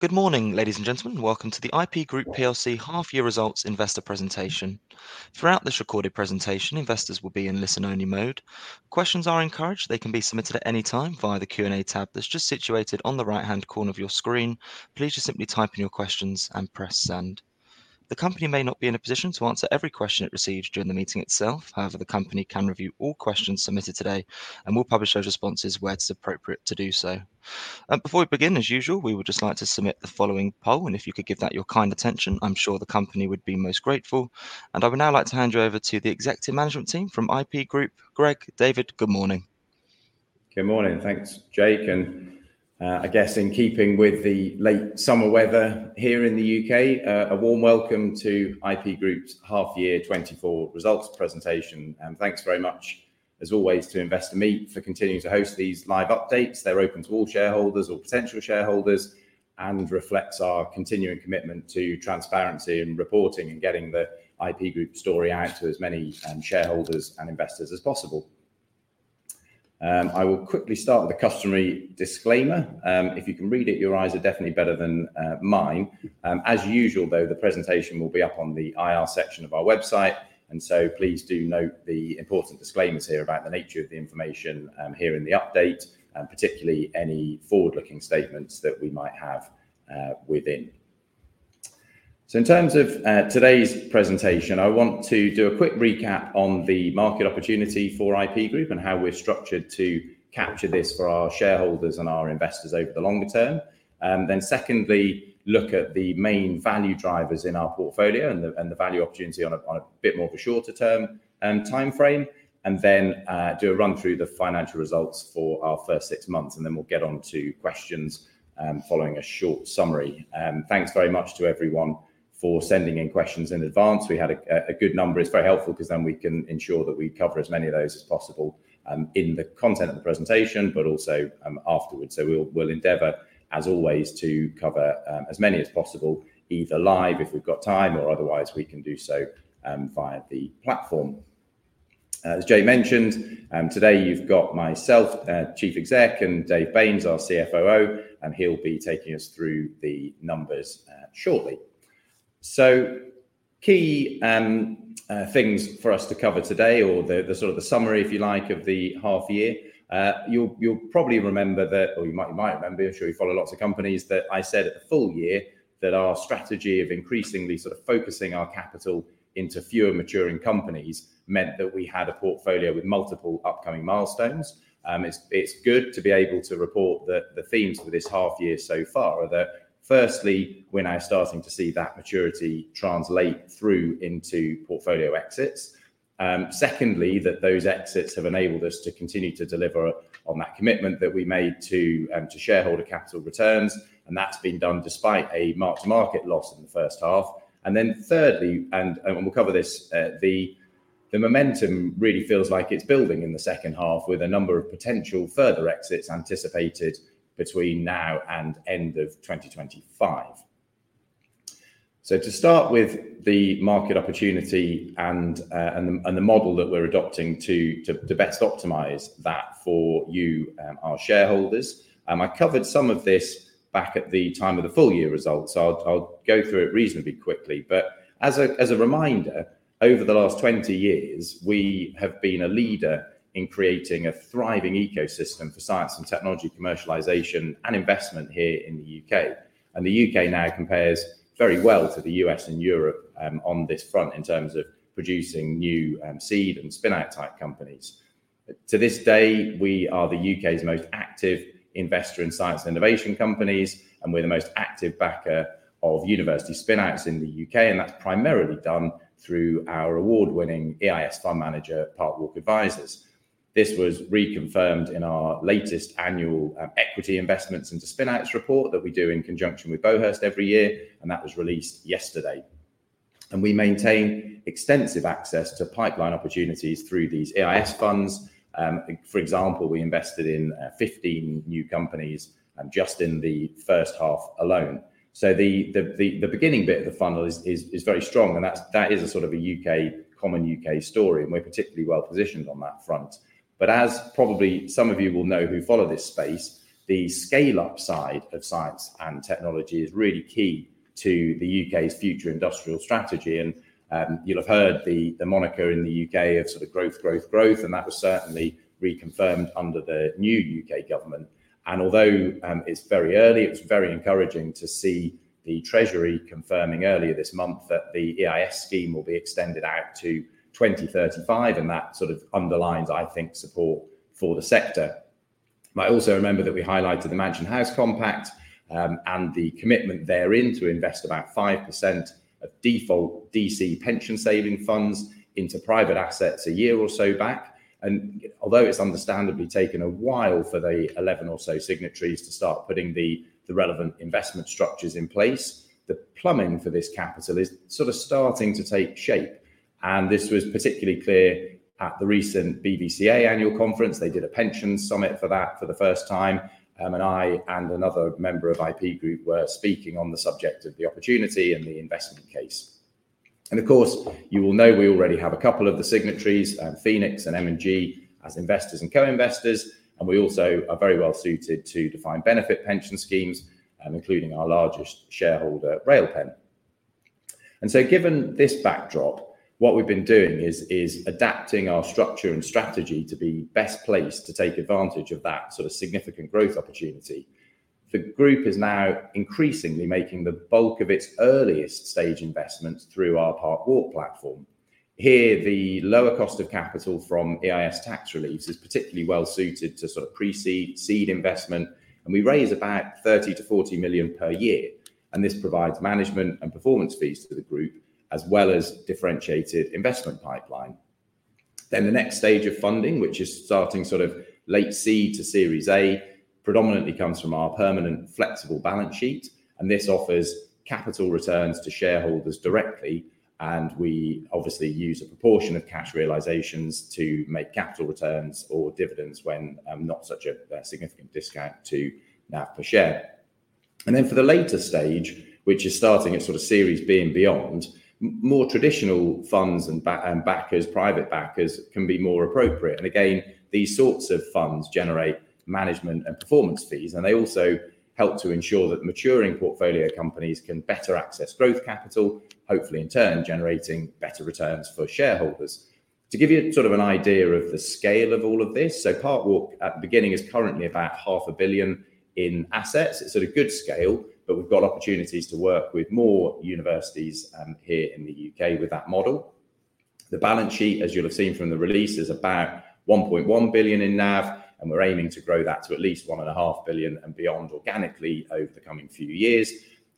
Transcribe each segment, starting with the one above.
Good morning, ladies and gentlemen. Welcome to the IP Group PLC half-year results investor presentation. Throughout this recorded presentation, investors will be in listen-only mode. Questions are encouraged. They can be submitted at any time via the Q&A tab that's just situated on the right-hand corner of your screen. Please just simply type in your questions and press send. The company may not be in a position to answer every question it receives during the meeting itself. However, the company can review all questions submitted today and will publish those responses where it's appropriate to do so. Before we begin, as usual, we would just like to submit the following poll, and if you could give that your kind attention, I'm sure the company would be most grateful. And I would now like to hand you over to the executive management team from IP Group. Greg, David, good morning. Good morning. Thanks, Jake, and I guess in keeping with the late summer weather here in the U.K., a warm welcome to IP Group's Half-Year 2024 Results Presentation, and thanks very much, as always, to Investor Meet for continuing to host these live updates. They're open to all shareholders or potential shareholders and reflects our continuing commitment to transparency and reporting and getting the IP Group story out to as many shareholders and investors as possible. I will quickly start with the customary disclaimer. If you can read it, your eyes are definitely better than mine. As usual, though, the presentation will be up on the IR section of our website, and so please do note the important disclaimers here about the nature of the information here in the update, and particularly any forward-looking statements that we might have within. So in terms of today's presentation, I want to do a quick recap on the market opportunity for IP Group and how we're structured to capture this for our shareholders and our investors over the longer term. Then secondly, look at the main value drivers in our portfolio and the value opportunity on a bit more of a shorter-term time frame, and then do a run through the financial results for our first six months, and then we'll get on to questions following a short summary. Thanks very much to everyone for sending in questions in advance. We had a good number. It's very helpful because then we can ensure that we cover as many of those as possible in the content of the presentation, but also afterwards. So we'll endeavor, as always, to cover as many as possible, either live if we've got time, or otherwise, we can do so via the platform. As Jake mentioned, today you've got myself, Chief Exec, and Dave Baynes, our CFOO, and he'll be taking us through the numbers shortly. Key things for us to cover today, or the sort of the summary, if you like, of the half year. You'll probably remember that, or you might remember, I'm sure you follow lots of companies, that I said at the full year that our strategy of increasingly sort of focusing our capital into fewer maturing companies meant that we had a portfolio with multiple upcoming milestones. It's good to be able to report that the themes for this half year so far are that, firstly, we're now starting to see that maturity translate through into portfolio exits. Secondly, that those exits have enabled us to continue to deliver on that commitment that we made to shareholder capital returns, and that's been done despite a mark-to-market loss in the first half. Thirdly, we'll cover this. The momentum really feels like it's building in the second half, with a number of potential further exits anticipated between now and end of 2025. To start with the market opportunity and the model that we're adopting to best optimize that for you, our shareholders, I covered some of this back at the time of the full-year results. I'll go through it reasonably quickly. But as a reminder, over the last twenty years, we have been a leader in creating a thriving ecosystem for science and technology commercialization and investment here in the U.K. And the U.K. now compares very well to the U.S. and Europe on this front in terms of producing new seed and spin-out-type companies. To this day, we are the U.K.'s most active investor in science and innovation companies, and we're the most active backer of university spin-outs in the U.K., and that's primarily done through our award-winning EIS fund manager, Parkwalk Advisors. This was reconfirmed in our latest annual Equity Investments into Spin-Outs report that we do in conjunction with Beauhurst every year, and that was released yesterday. And we maintain extensive access to pipeline opportunities through these EIS funds. For example, we invested in 15 new companies just in the first half alone. So the beginning bit of the funnel is very strong, and that is a sort of a U.K. common U.K. story, and we're particularly well positioned on that front. But as probably some of you will know who follow this space, the scale-up side of science and technology is really key to the U.K.'s future industrial strategy, and you'll have heard the moniker in the U.K. of sort of growth, growth, growth, and that was certainly reconfirmed under the new U.K. government. Although it's very early, it was very encouraging to see the Treasury confirming earlier this month that the EIS scheme will be extended out to 2035, and that sort of underlines, I think, support for the sector. You might also remember that we highlighted the Mansion House Compact, and the commitment therein to invest about 5% of default DC pension saving funds into private assets a year or so back. Although it's understandably taken a while for the eleven or so signatories to start putting the relevant investment structures in place, the plumbing for this capital is sort of starting to take shape, and this was particularly clear at the recent BVCA annual conference. They did a pensions summit for that for the first time, and I and another member of IP Group were speaking on the subject of the opportunity and the investment case. And of course, you will know we already have a couple of the signatories, Phoenix and M&G, as investors and co-investors, and we also are very well suited to defined benefit pension schemes, including our largest shareholder, Railpen. So given this backdrop, what we've been doing is adapting our structure and strategy to be best placed to take advantage of that sort of significant growth opportunity. The group is now increasingly making the bulk of its earliest stage investments through our Parkwalk platform. Here, the lower cost of capital from EIS tax relief is particularly well-suited to sort of pre-seed, seed investment, and we raise about 30 million-40 million per year, and this provides management and performance fees to the group, as well as differentiated investment pipeline. Then the next stage of funding, which is starting sort of late seed to Series A, predominantly comes from our permanent flexible balance sheet, and this offers capital returns to shareholders directly, and we obviously use a proportion of cash realizations to make capital returns or dividends when not such a significant discount to NAV per share, and then for the later stage, which is starting at sort of Series B and beyond, more traditional funds and backers, private backers, can be more appropriate. And again, these sorts of funds generate management and performance fees, and they also help to ensure that maturing portfolio companies can better access growth capital, hopefully in turn, generating better returns for shareholders. To give you sort of an idea of the scale of all of this, so Parkwalk at the beginning is currently about 500 million in assets. It's at a good scale, but we've got opportunities to work with more universities here in the U.K. with that model. The balance sheet, as you'll have seen from the release, is about 1.1 billion in NAV, and we're aiming to grow that to at least 1.5 billion and beyond organically over the coming few years.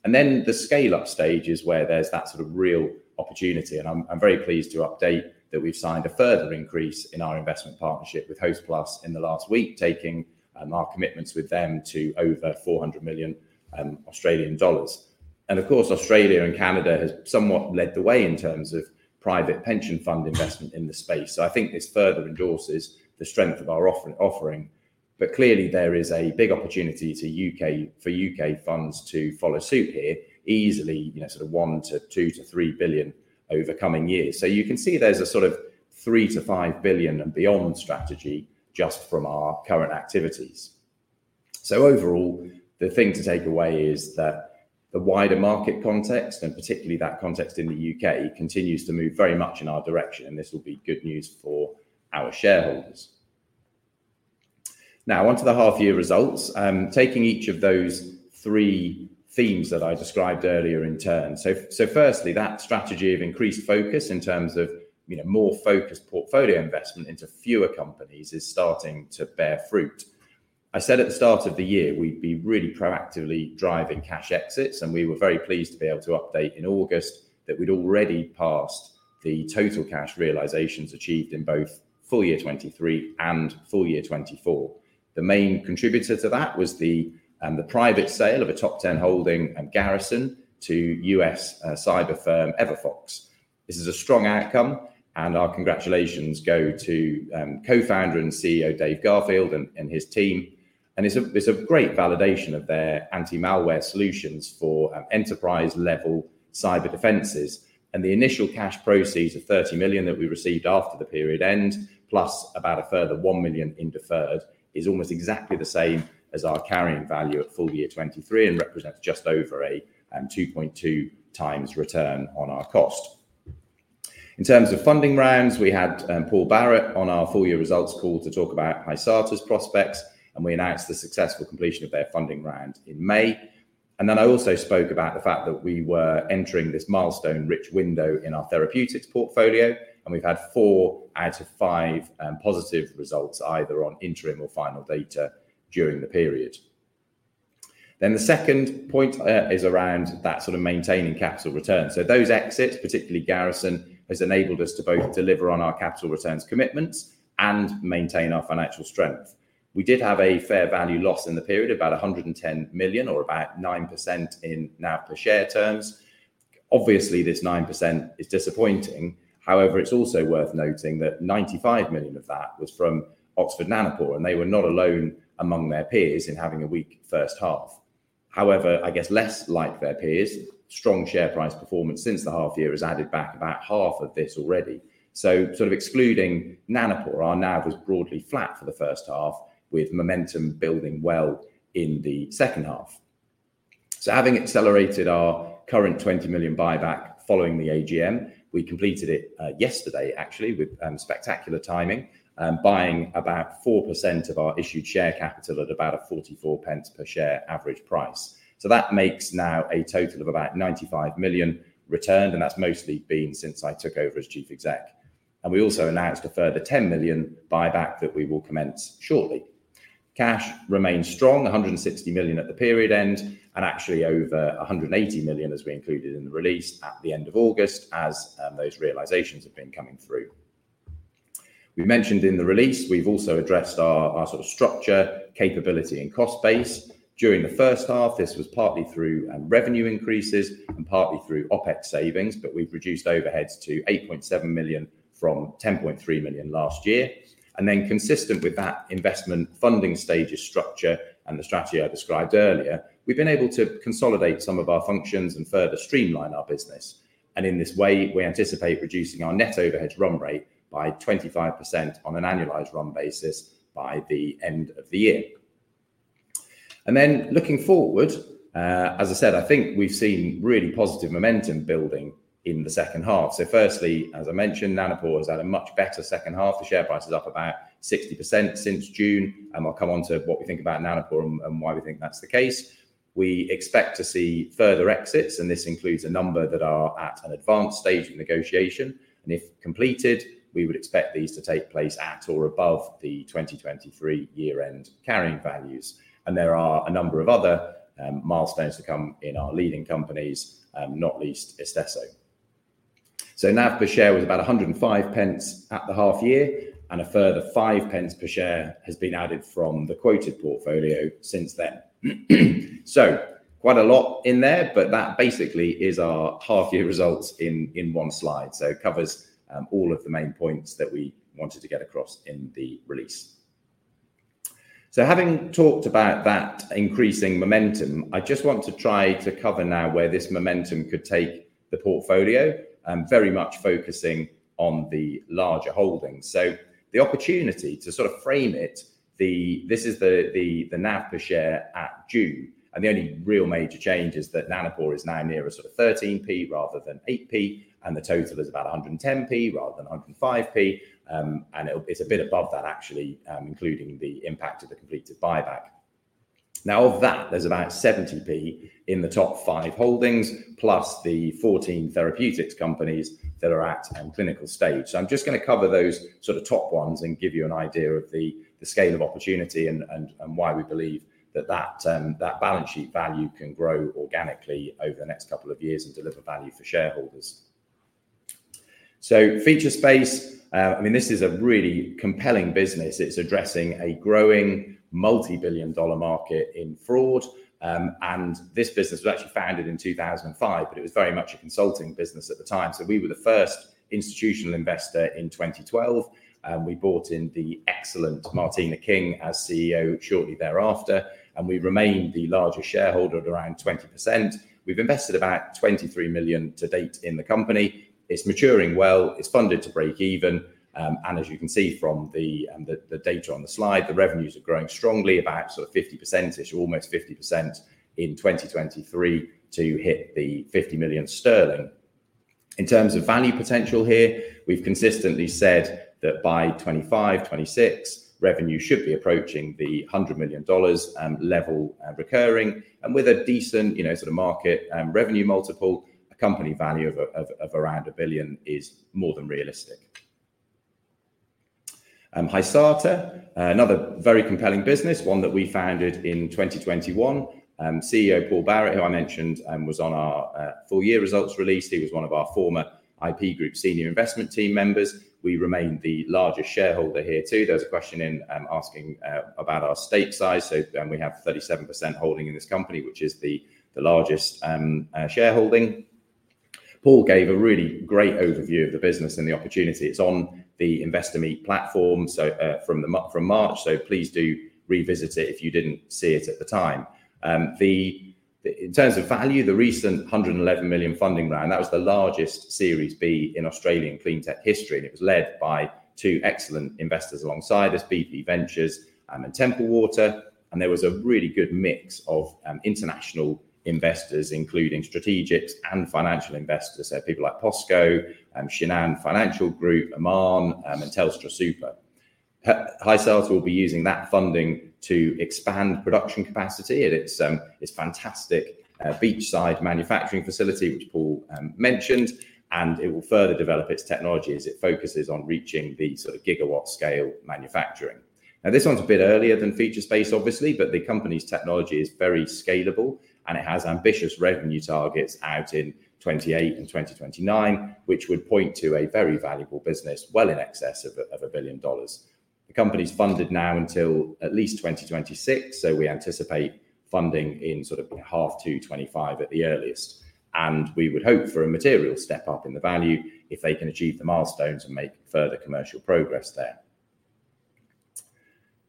Then the scale-up stage is where there's that sort of real opportunity, and I'm very pleased to update that we've signed a further increase in our investment partnership with Hostplus in the last week, taking our commitments with them to over 400 million Australian dollars. Of course, Australia and Canada has somewhat led the way in terms of private pension fund investment in the space. So I think this further endorses the strength of our offering, but clearly, there is a big opportunity for the U.K., for U.K. funds to follow suit here, easily, you know, sort of 1 billion-2 billion over coming years. So you can see there's a sort of 3 billion-5 billion and beyond strategy just from our current activities. So overall, the thing to take away is that the wider market context, and particularly that context in the U.K., continues to move very much in our direction, and this will be good news for our shareholders. Now, on to the half-year results, taking each of those three themes that I described earlier in turn. So firstly, that strategy of increased focus in terms of, you know, more focused portfolio investment into fewer companies is starting to bear fruit. I said at the start of the year, we'd be really proactively driving cash exits, and we were very pleased to be able to update in August that we'd already passed the total cash realizations achieved in both full year 2023 and full year 2024. The main contributor to that was the private sale of a top 10 holding, Garrison to U.S. cyber firm, Everfox. This is a strong outcome, and our congratulations go to co-founder and CEO, Dave Garfield, and his team. It's a great validation of their anti-malware solutions for enterprise-level cyber defenses, and the initial cash proceeds of 30 million that we received after the period end, plus about a further 1 million in deferred, is almost exactly the same as our carrying value at full year 2023 and represents just over a 2.2x return on our cost. In terms of funding rounds, we had Paul Barrett on our full-year results call to talk about Hysata's prospects, and we announced the successful completion of their funding round in May. Then I also spoke about the fact that we were entering this milestone-rich window in our therapeutics portfolio, and we've had 4 out of 5 positive results, either on interim or final data during the period. The second point is around that sort of maintaining capital return. So those exits, particularly Garrison, has enabled us to both deliver on our capital returns commitments and maintain our financial strength. We did have a fair value loss in the period, about 110 million or about 9% in NAV per share terms. Obviously, this 9% is disappointing. However, it's also worth noting that 95 million of that was from Oxford Nanopore, and they were not alone among their peers in having a weak first half. However, I guess less like their peers, strong share price performance since the half year has added back about half of this already. So sort of excluding Nanopore, our NAV was broadly flat for the first half, with momentum building well in the second half. Having accelerated our current 20 million buyback following the AGM, we completed it yesterday, actually, with spectacular timing, buying about 4% of our issued share capital at about a 0.44 per share average price. So that makes now a total of about 95 million returned, and that's mostly been since I took over as chief exec. And we also announced a further 10 million buyback that we will commence shortly. Cash remains strong, 160 million at the period end, and actually over 180 million as we included in the release at the end of August, as those realizations have been coming through. We mentioned in the release, we've also addressed our sort of structure, capability, and cost base. During the first half, this was partly through revenue increases and partly through OpEx savings, but we've reduced overheads to 8.7 million from 10.3 million last year. And then consistent with that investment funding stages structure and the strategy I described earlier, we've been able to consolidate some of our functions and further streamline our business. And in this way, we anticipate reducing our net overhead run rate by 25% on an annualized run basis by the end of the year. And then looking forward, as I said, I think we've seen really positive momentum building in the second half. So firstly, as I mentioned, Nanopore has had a much better second half. The share price is up about 60% since June, and I'll come on to what we think about Nanopore and why we think that's the case. We expect to see further exits, and this includes a number that are at an advanced stage of negotiation, and if completed, we would expect these to take place at or above the 2023 year-end carrying values. And there are a number of other milestones to come in our leading companies, not least Istesso. So NAV per share was about 1.05 at the half year, and a further 0.05 per share has been added from the quoted portfolio since then. So quite a lot in there, but that basically is our half year results in one slide. So it covers all of the main points that we wanted to get across in the release. Having talked about that increasing momentum, I just want to try to cover now where this momentum could take the portfolio, very much focusing on the larger holdings. The opportunity to sort of frame it, this is the NAV per share at June, and the only real major change is that Nanopore is now nearer sort of 0.13 rather than 0.08, and the total is about 1.10 rather than 1.05. And it's a bit above that, actually, including the impact of the completed buyback. Now, of that, there's about 0.70 in the top five holdings, plus the 14 therapeutics companies that are at a clinical stage. So I'm just going to cover those sort of top ones and give you an idea of the scale of opportunity and why we believe that that balance sheet value can grow organically over the next couple of years and deliver value for shareholders. Featurespace, I mean, this is a really compelling business. It's addressing a growing multibillion-dollar market in fraud. And this business was actually founded in 2005, but it was very much a consulting business at the time. So we were the first institutional investor in 2012, and we brought in the excellent Martina King as CEO shortly thereafter, and we remain the largest shareholder at around 20%. We've invested about 23 million to date in the company. It's maturing well, it's funded to break even. And as you can see from the data on the slide, the revenues are growing strongly, about sort of 50%-ish, almost 50% in 2023 to hit the 50 million sterling. In terms of value potential here, we've consistently said that by 2025, 2026, revenue should be approaching the $100 million level, recurring, and with a decent, you know, sort of market revenue multiple, a company value of around a billion is more than realistic. Hysata, another very compelling business, one that we founded in 2021. CEO Paul Barrett, who I mentioned, was on our full-year results release. He was one of our former IP Group senior investment team members. We remain the largest shareholder here, too. There was a question asking about our stake size. We have 37% holding in this company, which is the largest shareholding. Paul gave a really great overview of the business and the opportunity. It's on the Investor Meet platform, so from March, so please do revisit it if you didn't see it at the time. In terms of value, the recent 111 million funding round, that was the largest Series B in Australian clean tech history, and it was led by two excellent investors alongside us, BP Ventures and Templewater. There was a really good mix of international investors, including strategics and financial investors. People like POSCO, Shinhan Financial Group, Oman and TelstraSuper. Hysata will be using that funding to expand production capacity at its fantastic beachside manufacturing facility, which Paul mentioned, and it will further develop its technology as it focuses on reaching the sort of gigawatt-scale manufacturing. Now, this one's a bit earlier than Featurespace, obviously, but the company's technology is very scalable, and it has ambitious revenue targets out in 2028 and 2029, which would point to a very valuable business well in excess of 1 billion dollars. The company's funded now until at least 2026, so we anticipate funding in sort of half to 2025 at the earliest, and we would hope for a material step-up in the value if they can achieve the milestones and make further commercial progress there.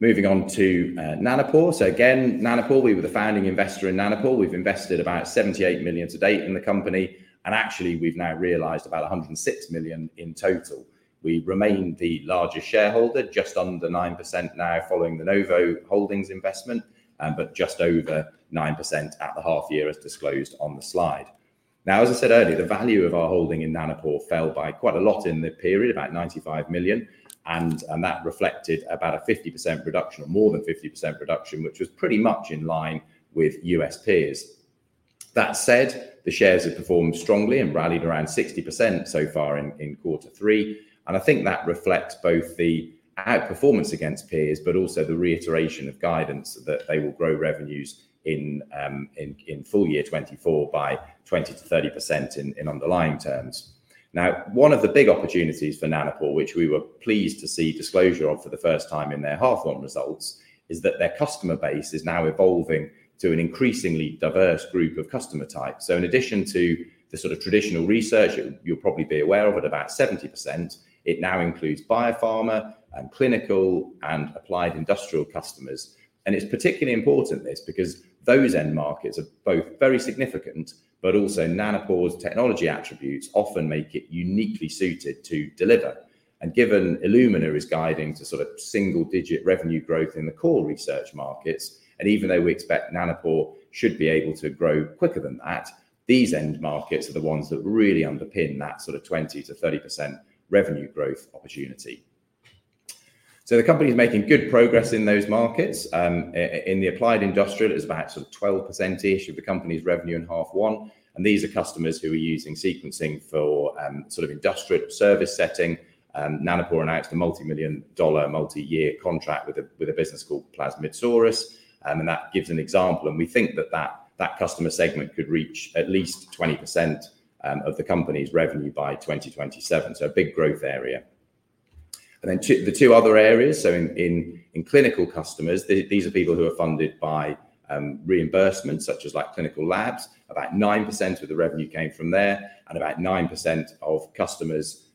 Moving on to Nanopore. So again, Nanopore, we were the founding investor in Nanopore. We've invested about 78 million to date in the company, and actually, we've now realized about 106 million in total. We remain the largest shareholder, just under 9% now, following the Novo Holdings investment, but just over 9% at the half year, as disclosed on the slide. Now, as I said earlier, the value of our holding in Nanopore fell by quite a lot in the period, about 95 million, and that reflected about a 50% reduction, or more than 50% reduction, which was pretty much in line with U.S. peers. That said, the shares have performed strongly and rallied around 60% so far in quarter three, and I think that reflects both the outperformance against peers, but also the reiteration of guidance that they will grow revenues in full year 2024 by 20%-30% in underlying terms. Now, one of the big opportunities for Nanopore, which we were pleased to see disclosure of for the first time in their half one results, is that their customer base is now evolving to an increasingly diverse group of customer types. So in addition to the sort of traditional research, you, you'll probably be aware of at about 70%, it now includes biopharma and clinical and applied industrial customers. And it's particularly important, this, because those end markets are both very significant, but also Nanopore's technology attributes often make it uniquely suited to deliver.... And given Illumina is guiding to sort of single-digit revenue growth in the core research markets, and even though we expect Nanopore should be able to grow quicker than that, these end markets are the ones that really underpin that sort of 20%-30% revenue growth opportunity. So the company is making good progress in those markets. In the applied industrial, it was about sort of 12%-ish of the company's revenue in half one, and these are customers who are using sequencing for, sort of industrial service setting. Nanopore announced a multimillion-dollar, multi-year contract with a business called Plasmidsaurus, and that gives an example, and we think that customer segment could reach at least 20% of the company's revenue by 2027. So a big growth area. Then the two other areas, so in clinical customers, these are people who are funded by reimbursements, such as like clinical labs. About 9% of the revenue came from there, and about 9% of customers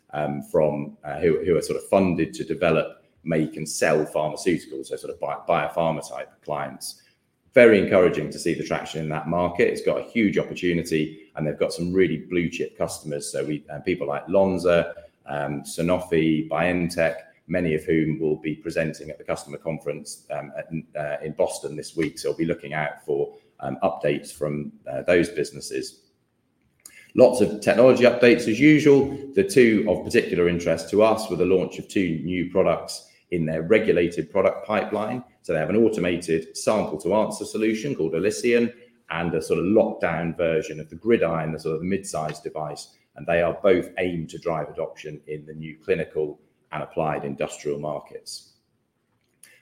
from who are sort of funded to develop, make and sell pharmaceuticals, so sort of biopharma-type clients. Very encouraging to see the traction in that market. It's got a huge opportunity, and they've got some really blue-chip customers, so people like Lonza, Sanofi, BioNTech, many of whom will be presenting at the customer conference in Boston this week. So I'll be looking out for updates from those businesses. Lots of technology updates as usual. The two of particular interest to us were the launch of two new products in their regulated product pipeline. They have an automated sample-to-answer solution called Elysion and a sort of lockdown version of the GridION, the sort of mid-sized device, and they are both aimed to drive adoption in the new clinical and applied industrial markets.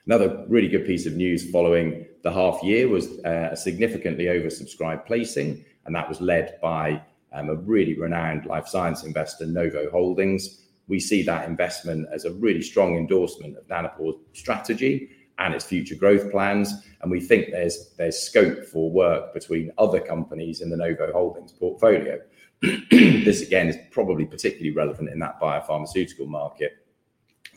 Another really good piece of news following the half year was a significantly oversubscribed placing, and that was led by a really renowned life science investor, Novo Holdings. We see that investment as a really strong endorsement of Nanopore's strategy and its future growth plans, and we think there's scope for work between other companies in the Novo Holdings portfolio. This, again, is probably particularly relevant in that biopharmaceutical market.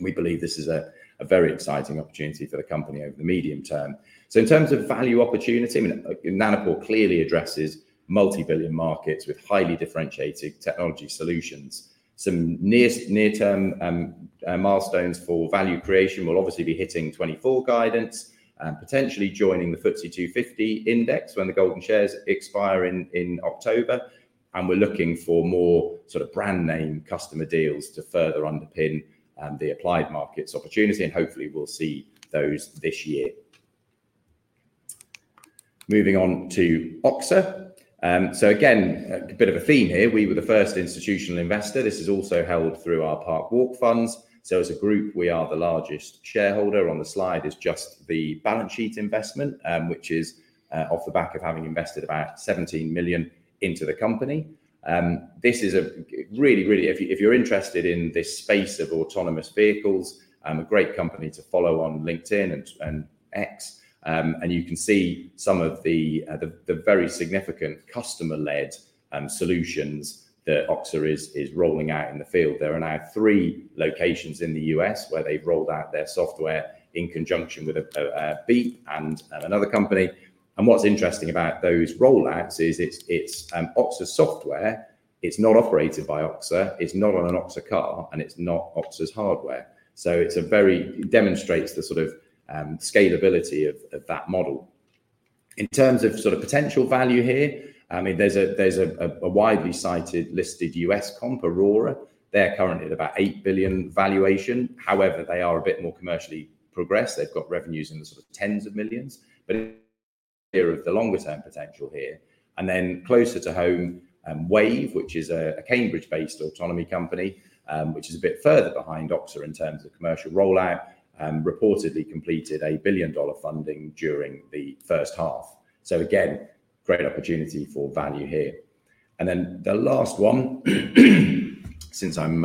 We believe this is a very exciting opportunity for the company over the medium term. So in terms of value opportunity, I mean, Nanopore clearly addresses multi-billion markets with highly differentiated technology solutions. Some near-term milestones for value creation will obviously be hitting 2024 guidance, potentially joining the FTSE 250 index when the golden shares expire in October, and we're looking for more sort of brand-name customer deals to further underpin the applied markets opportunity, and hopefully, we'll see those this year. Moving on to Oxa. So again, a bit of a theme here. We were the first institutional investor. This is also held through our Parkwalk funds. So as a group, we are the largest shareholder. On the slide is just the balance sheet investment, which is off the back of having invested about 17 million into the company. This is a really, really... If you, if you're interested in this space of autonomous vehicles, a great company to follow on LinkedIn and X, and you can see some of the, the very significant customer-led solutions that Oxa is rolling out in the field. There are now three locations in the U.S. where they've rolled out their software in conjunction with a Beep and another company, and what's interesting about those rollouts is it's Oxa software. It's not operated by Oxa, it's not on an Oxa car, and it's not Oxa's hardware, so it's a very demonstrates the sort of scalability of that model. In terms of sort of potential value here, I mean, there's a widely cited, listed U.S. comp, Aurora. They're currently at about $8 billion valuation. However, they are a bit more commercially progressed. They've got revenues in the sort of tens of millions, but of the longer-term potential here. And then closer to home, Wayve, which is a Cambridge-based autonomy company, which is a bit further behind Oxa in terms of commercial rollout, reportedly completed a $1 billion funding during the first half. So again, great opportunity for value here. And then the last one, since I'm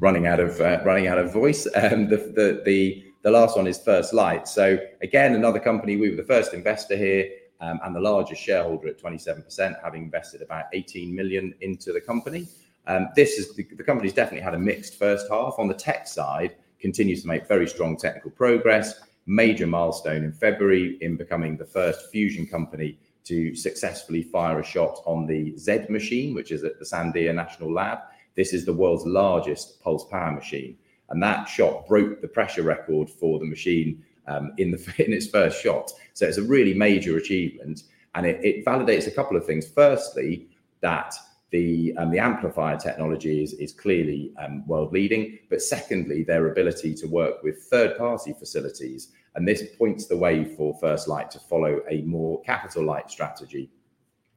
running out of voice, the last one is First Light. So again, another company, we were the first investor here, and the largest shareholder at 27%, having invested about 18 million into the company. The company's definitely had a mixed first half. On the tech side, continues to make very strong technical progress. Major milestone in February in becoming the first fusion company to successfully fire a shot on the Z machine, which is at the Sandia National Laboratories. This is the world's largest pulsed power machine, and that shot broke the pressure record for the machine in its first shot. So it's a really major achievement, and it validates a couple of things. Firstly, that the amplifier technology is clearly world-leading, but secondly, their ability to work with third-party facilities, and this points the way for First Light to follow a more capital-light strategy.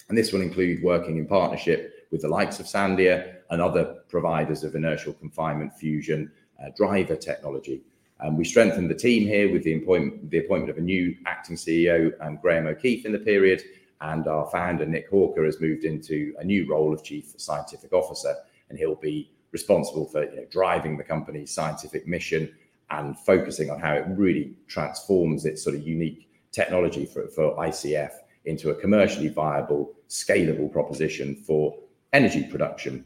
And this will include working in partnership with the likes of Sandia and other providers of inertial confinement fusion driver technology. We strengthened the team here with the appointment of a new Acting CEO, Graeme O'Keefe, in the period, and our founder, Nick Hawker, has moved into a new role of Chief Scientific Officer, and he'll be responsible for, you know, driving the company's scientific mission and focusing on how it really transforms its sort of unique technology for ICF into a commercially viable, scalable proposition for energy production.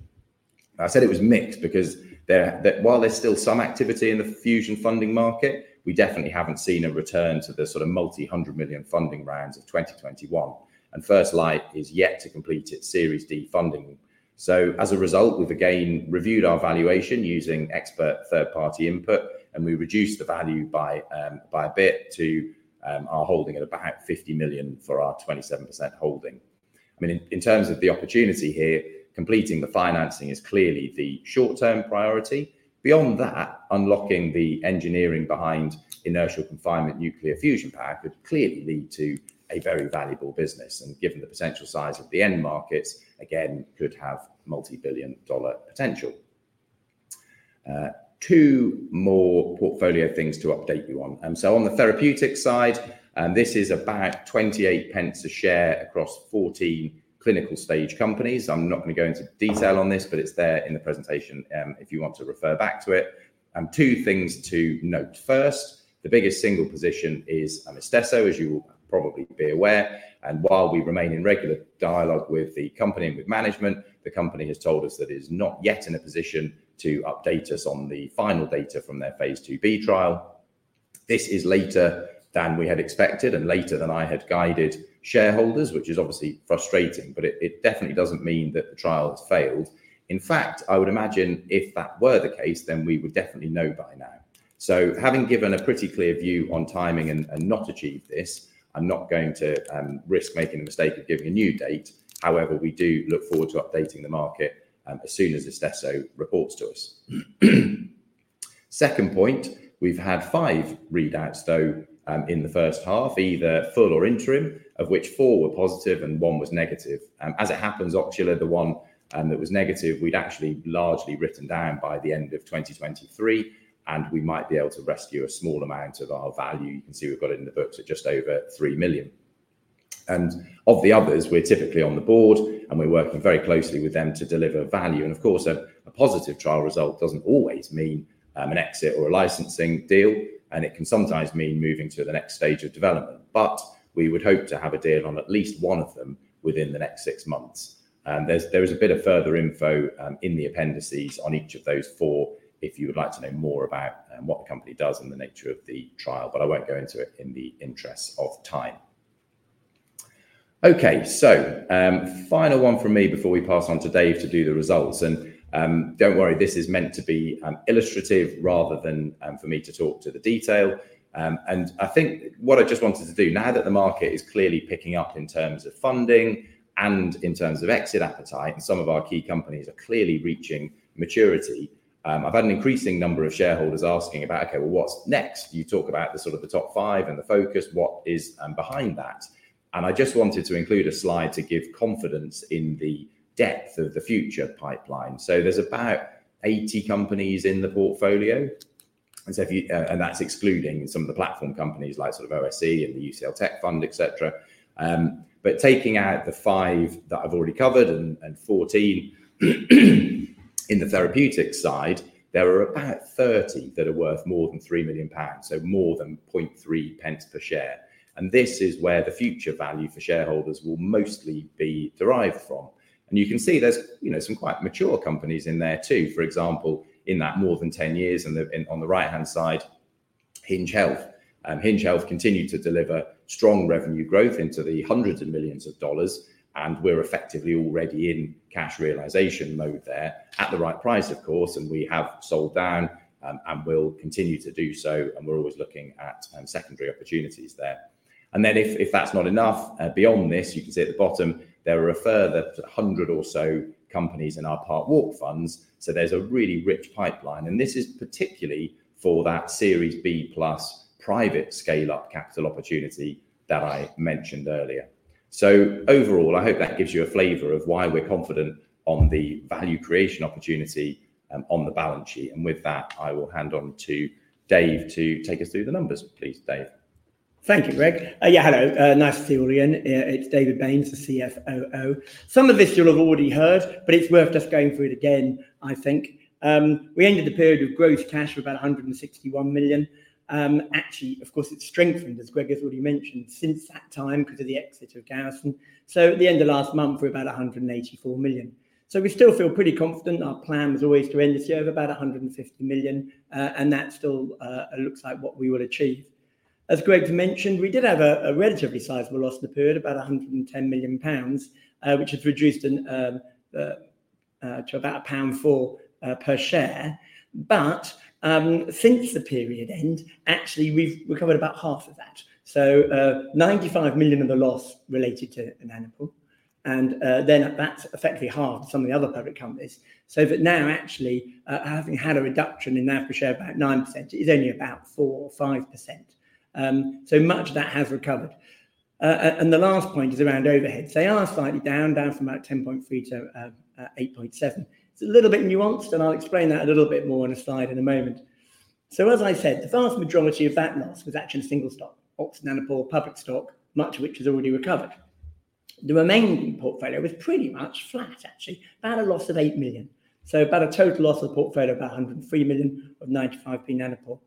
I said it was mixed because there, while there's still some activity in the fusion funding market, we definitely haven't seen a return to the sort of multi-hundred million funding rounds of 2021, and First Light is yet to complete its Series D funding. So as a result, we've again reviewed our valuation using expert third-party input, and we reduced the value by a bit to our holding at about 50 million for our 27% holding. I mean, in terms of the opportunity here, completing the financing is clearly the short-term priority. Beyond that, unlocking the engineering behind inertial confinement nuclear fusion power could clearly lead to a very valuable business, and given the potential size of the end markets, again, could have multi-billion-dollar potential. Two more portfolio things to update you on and so on the therapeutic side, and this is about 0.28 a share across 14 clinical stage companies. I'm not going to go into detail on this, but it's there in the presentation, if you want to refer back to it. Two things to note. First, the biggest single position is, Istesso, as you will probably be aware, and while we remain in regular dialogue with the company and with management, the company has told us that it is not yet in a position to update us on the final data from their phase II-B trial. This is later than we had expected and later than I had guided shareholders, which is obviously frustrating, but it definitely doesn't mean that the trial has failed. In fact, I would imagine if that were the case, then we would definitely know by now. So having given a pretty clear view on timing and not achieved this, I'm not going to risk making the mistake of giving a new date. However, we do look forward to updating the market, as soon as Istesso reports to us. Second point, we've had five readouts, though, in the first half, either full or interim, of which four were positive and one was negative. As it happens, Oxular, the one that was negative, we'd actually largely written down by the end of 2023, and we might be able to rescue a small amount of our value. You can see we've got it in the books at just over 3 million. And of the others, we're typically on the board, and we're working very closely with them to deliver value. And of course, a positive trial result doesn't always mean an exit or a licensing deal, and it can sometimes mean moving to the next stage of development. But we would hope to have a deal on at least one of them within the next six months. There is a bit of further info in the appendices on each of those four, if you would like to know more about what the company does and the nature of the trial, but I won't go into it in the interest of time. Okay, so final one from me before we pass on to Dave to do the results, and don't worry, this is meant to be illustrative rather than for me to talk to the detail. I think what I just wanted to do, now that the market is clearly picking up in terms of funding and in terms of exit appetite, and some of our key companies are clearly reaching maturity, I've had an increasing number of shareholders asking about, "Okay, well, what's next? You talk about the sort of the top five and the focus, what is behind that?", and I just wanted to include a slide to give confidence in the depth of the future pipeline. So there's about 80 companies in the portfolio, and so that's excluding some of the platform companies like sort of OSE and the UCL Technology Fund, et cetera, but taking out the five that I've already covered and 14 in the therapeutic side, there are about 30 that are worth more than 3 million pounds, so more than 0.003 per share, and this is where the future value for shareholders will mostly be derived from, and you can see there's, you know, some quite mature companies in there, too. For example, in that more than 10 years, and on the right-hand side, Hinge Health. Hinge Health continued to deliver strong revenue growth into hundreds of millions of dollars, and we're effectively already in cash realization mode there at the right price, of course, and we have sold down, and will continue to do so, and we're always looking at, secondary opportunities there. And then if that's not enough, beyond this, you can see at the bottom, there are a further 100 or so companies in our Parkwalk funds. So there's a really rich pipeline, and this is particularly for that Series B plus private scale-up capital opportunity that I mentioned earlier. So overall, I hope that gives you a flavor of why we're confident on the value creation opportunity, on the balance sheet. And with that, I will hand over to Dave to take us through the numbers. Please, Dave. Thank you, Greg. Yeah, hello, nice to see you all again. It's David Baynes, the CFOO. Some of this you'll have already heard, but it's worth just going through it again, I think. We ended the period with gross cash of about 161 million. Actually, of course, it's strengthened, as Greg has already mentioned, since that time because of the exit of Garrison. So at the end of last month, we were about 184 million. So we still feel pretty confident. Our plan was always to end this year of about 150 million, and that still looks like what we will achieve. As Greg mentioned, we did have a relatively sizable loss in the period, about 110 million pounds, which has reduced to about 1.04 per share. But since the period end, actually, we've recovered about half of that. So 95 million of the loss related to Nanopore, and then that's effectively halved some of the other public companies. So but now, actually, having had a reduction in NAV per share, about 9%, it is only about 4% or 5%. So much of that has recovered. And the last point is around overheads. They are slightly down from about 10.3 million-8.7 million. It's a little bit nuanced, and I'll explain that a little bit more on a slide in a moment. As I said, the vast majority of that loss was actually in single stock, Oxford Nanopore, public stock, much of which has already recovered. The remaining portfolio was pretty much flat, actually, about a loss of 8 million. About a total loss of the portfolio of about 103 million of 0.95 Nanopore.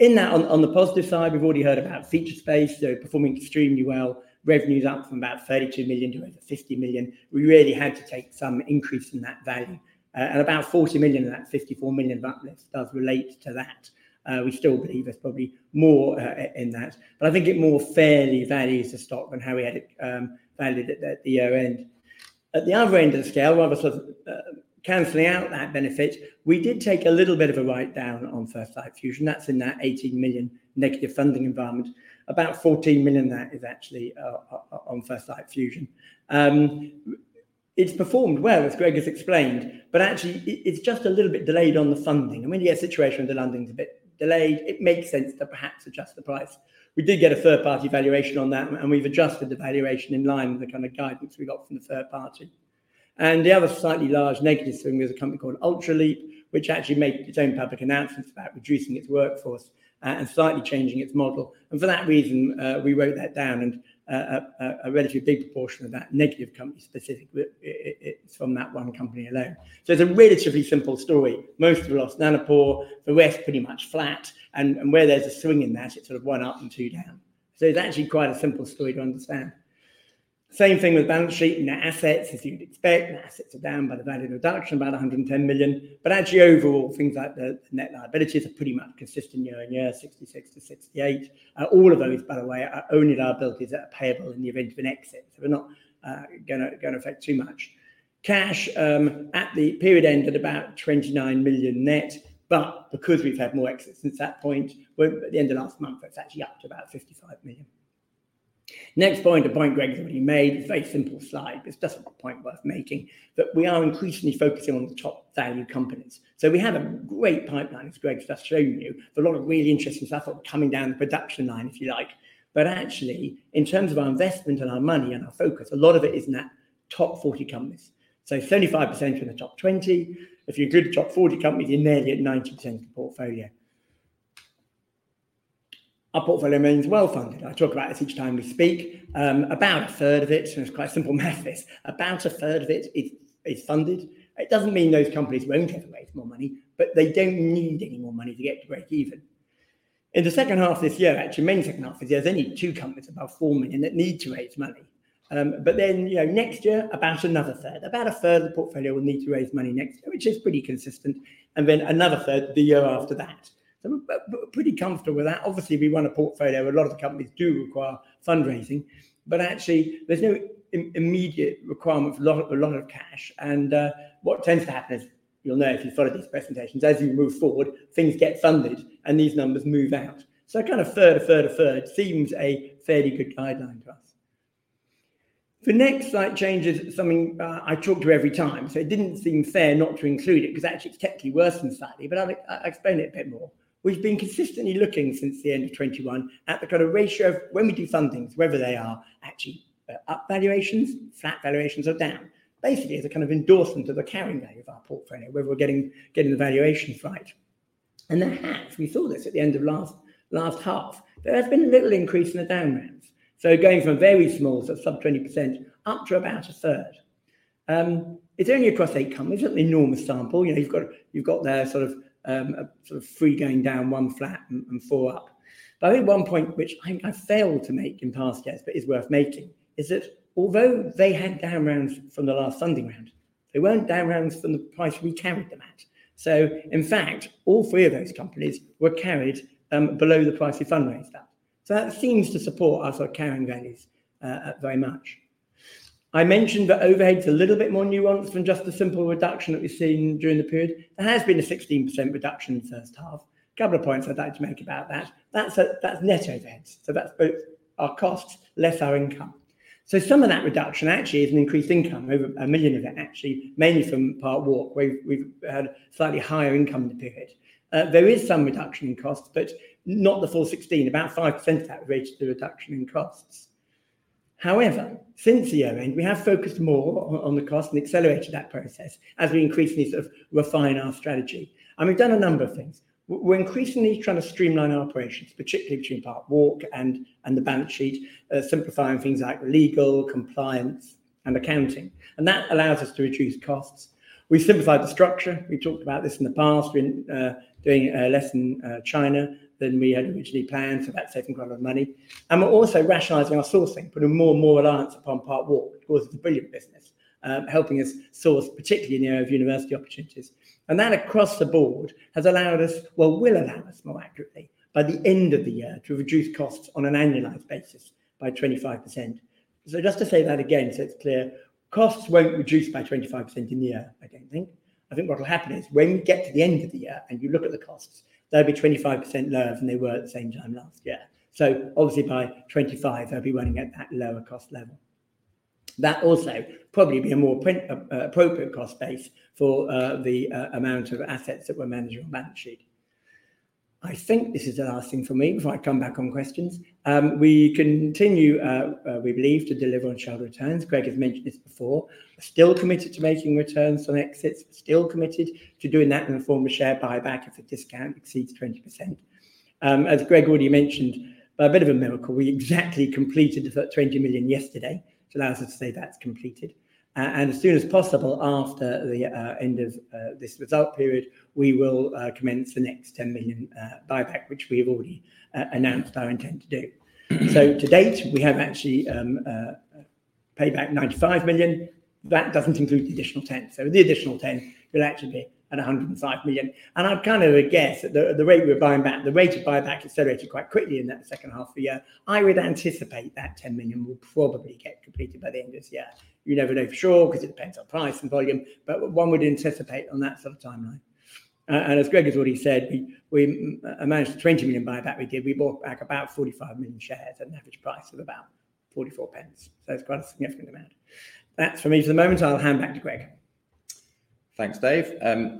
On the positive side, we've already heard about Featurespace, so performing extremely well, revenues up from about 32 million to over 50 million. We really had to take some increase in that value... and about 40 million of that 54 million uplift does relate to that. We still believe there's probably more in that, but I think it more fairly values the stock than how we had it valued at the year-end. At the other end of the scale, while we're sort of canceling out that benefit, we did take a little bit of a write-down on First Light Fusion. That's in that 18 million negative funding environment. About 14 million that is actually on First Light Fusion. It's performed well, as Greg has explained, but actually it, it's just a little bit delayed on the funding. And when you have a situation where the funding's a bit delayed, it makes sense to perhaps adjust the price. We did get a third-party valuation on that, and we've adjusted the valuation in line with the kind of guidance we got from the third party. And the other slightly large negative swing is a company called Ultraleap, which actually made its own public announcement about reducing its workforce and slightly changing its model. And for that reason, we wrote that down, and a relatively big proportion of that negative company specific, it's from that one company alone. So it's a relatively simple story. Most of the loss, Nanopore, the rest pretty much flat, and where there's a swing in that, it's sort of one up and two down. So it's actually quite a simple story to understand. Same thing with balance sheet. Net assets, as you'd expect, net assets are down by the value of reduction, about 110 million. But actually, overall, things like the net liabilities are pretty much consistent year on year, 66 million-68 million. All of those, by the way, are only liabilities that are payable in the event of an exit, so we're not gonna affect too much. Cash at the period end at about 29 million net, but because we've had more exits since that point, well, at the end of last month, it's actually up to about 55 million. Next point, a point Greg has already made, a very simple slide. It's just a point worth making, that we are increasingly focusing on the top value companies. So we have a great pipeline, as Greg has just shown you, with a lot of really interesting stuff coming down the production line, if you like. But actually, in terms of our investment and our money and our focus, a lot of it is in that top 40 companies. So 75% are in the top 20. If you include the top 40 companies, you're nearly at 90% of the portfolio. Our portfolio remains well-funded. I talk about this each time we speak. About a third of it, and it's quite simple math. About a third of it is funded. It doesn't mean those companies won't have to raise more money, but they don't need any more money to get to breakeven. In the second half of this year, actually, in the second half of this year, there's only two companies above four million that need to raise money. But then, you know, next year, about another third. About a third of the portfolio will need to raise money next year, which is pretty consistent, and then another third the year after that. So we're pretty comfortable with that. Obviously, we run a portfolio, a lot of the companies do require fundraising, but actually, there's no immediate requirement for a lot of cash. What tends to happen is, you'll know if you follow these presentations, as you move forward, things get funded, and these numbers move out. Kind of a third, a third, a third seems a fairly good guideline to us. The next slide changes something I talk to every time, so it didn't seem fair not to include it, 'cause actually, it's technically worse than slightly, but I'll explain it a bit more. We've been consistently looking since the end of 2021 at the kind of ratio of when we do fundings, whether they are actually up valuations, flat valuations, or down. Basically, as a kind of endorsement of the carrying value of our portfolio, whether we're getting the valuations right. Then half, we saw this at the end of last half, there has been a little increase in the down rounds. Going from very small, so sub 20%, up to about a third. It's only across eight companies, not an enormous sample. You know, you've got there sort of a sort of three going down, one flat, and four up. But I think one point, which I failed to make in past years, but is worth making, is that although they had down rounds from the last funding round, they weren't down rounds from the price we carried them at. So in fact, all three of those companies were carried below the price we fundraised at. So that seems to support our sort of carrying values very much. I mentioned that overhead's a little bit more nuanced than just a simple reduction that we've seen during the period. There has been a 16% reduction in the first half. A couple of points I'd like to make about that. That's net overhead, so that's both our costs less our income. So some of that reduction actually is an increased income, over 1 million of it, actually, mainly from Parkwalk, where we've had slightly higher income in the period. There is some reduction in costs, but not the full 16. About 5% of that was the reduction in costs. However, since the year-end, we have focused more on the cost and accelerated that process as we increasingly sort of refine our strategy, and we've done a number of things. We're increasingly trying to streamline our operations, particularly between Parkwalk and the balance sheet, simplifying things like legal, compliance, and accounting, and that allows us to reduce costs. We've simplified the structure. We talked about this in the past. We're doing less in China than we had originally planned, so that's saving quite a lot of money. And we're also rationalizing our sourcing, putting more and more reliance upon Parkwalk, which, of course, is a brilliant business, helping us source, particularly in the area of university opportunities. And that, across the board, has allowed us, well, will allow us, more accurately, by the end of the year, to reduce costs on an annualized basis by 25%. So just to say that again, so it's clear, costs won't reduce by 25% in the year, I don't think. I think what will happen is when you get to the end of the year and you look at the costs, they'll be 25% lower than they were at the same time last year. So obviously, by 2025, they'll be running at that lower cost level. That also probably be a more appropriate cost base for the amount of assets that we're managing on the balance sheet. I think this is the last thing for me before I come back on questions. We continue, we believe, to deliver on share returns. Greg has mentioned this before. Still committed to making returns on exits, still committed to doing that in the form of share buyback if the discount exceeds 20%. As Greg already mentioned, by a bit of a miracle, we exactly completed the 20 million yesterday, which allows us to say that's completed. And as soon as possible after the end of this result period, we will commence the next 10 million buyback, which we have already announced our intent to do. So to date, we have actually... Pay back 95 million, that doesn't include the additional 10 million, so the additional 10 million will actually be at 105 million, and I'd kind of guess that the rate we're buying back, the rate of buyback accelerated quite quickly in that second half of the year. I would anticipate that 10 million will probably get completed by the end of this year. You never know for sure, 'cause it depends on price and volume, but one would anticipate on that sort of timeline, and as Greg has already said, we managed 20 million buyback. We bought back about 45 million shares at an average price of about 0.44. So it's quite a significant amount. That's for me for the moment. I'll hand back to Greg. Thanks, Dave.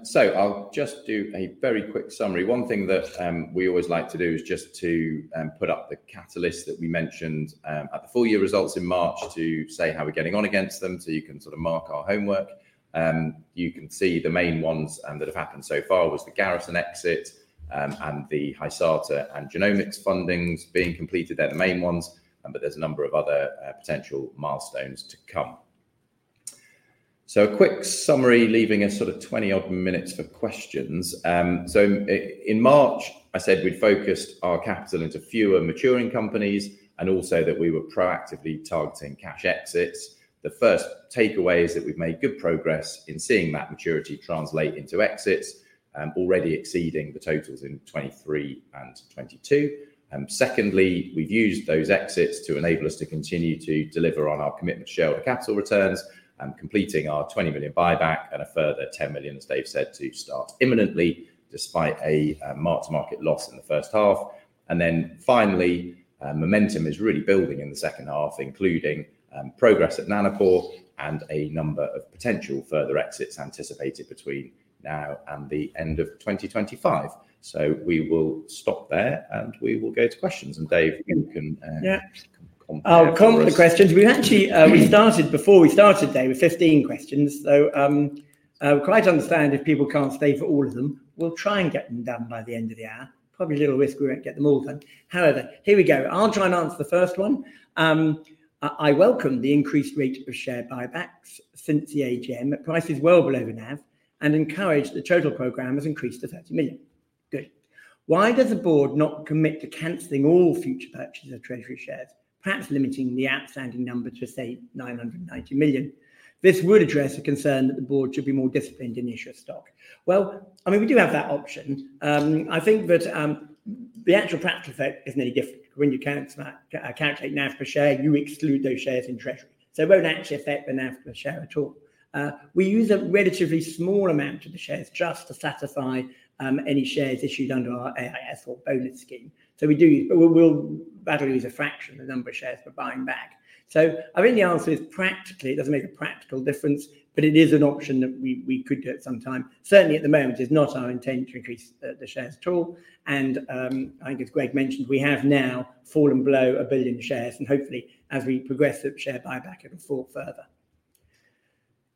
So I'll just do a very quick summary. One thing that we always like to do is just to put up the catalyst that we mentioned at the full year results in March to say how we're getting on against them, so you can sort of mark our homework. You can see the main ones that have happened so far was the Garrison exit and the Hysata and Genomics fundings being completed. They're the main ones, but there's a number of other potential milestones to come. So a quick summary, leaving us sort of twenty odd minutes for questions. So in March, I said we'd focused our capital into fewer maturing companies and also that we were proactively targeting cash exits. The first takeaway is that we've made good progress in seeing that maturity translate into exits, already exceeding the totals in 2023 and 2022. Secondly, we've used those exits to enable us to continue to deliver on our commitment share capital returns, completing our 20 million buyback and a further 10 million, as Dave said, to start imminently, despite a marked market loss in the first half. And then finally, momentum is really building in the second half, including progress at Nanopore and a number of potential further exits anticipated between now and the end of 2025. So we will stop there, and we will go to questions. And Dave, you can Yeah. Come with the questions. I'll come with the questions. We actually we started, before we started, Dave, with 15 questions, so, I quite understand if people can't stay for all of them. We'll try and get them done by the end of the hour. Probably a little risk we won't get them all done. However, here we go. I'll try and answer the first one. I welcome the increased rate of share buybacks since the AGM at prices well above NAV and encourage the total program has increased to 30 million. Good. Why does the board not commit to canceling all future purchases of treasury shares, perhaps limiting the outstanding number to, say, 900 million? This would address a concern that the board should be more disciplined in the issue of stock. Well, I mean, we do have that option. I think that the actual practical effect isn't any different. When you cancel that, calculate NAV per share, you exclude those shares in treasury, so it won't actually affect the NAV per share at all. We use a relatively small amount of the shares just to satisfy any shares issued under our EIS or bonus scheme. So we'll barely use a fraction of the number of shares we're buying back. So I think the answer is practically, it doesn't make a practical difference, but it is an option that we could do at some time. Certainly, at the moment, it's not our intent to increase the shares at all, and I think as Greg mentioned, we have now fallen below a billion shares, and hopefully, as we progress with share buyback, it'll fall further.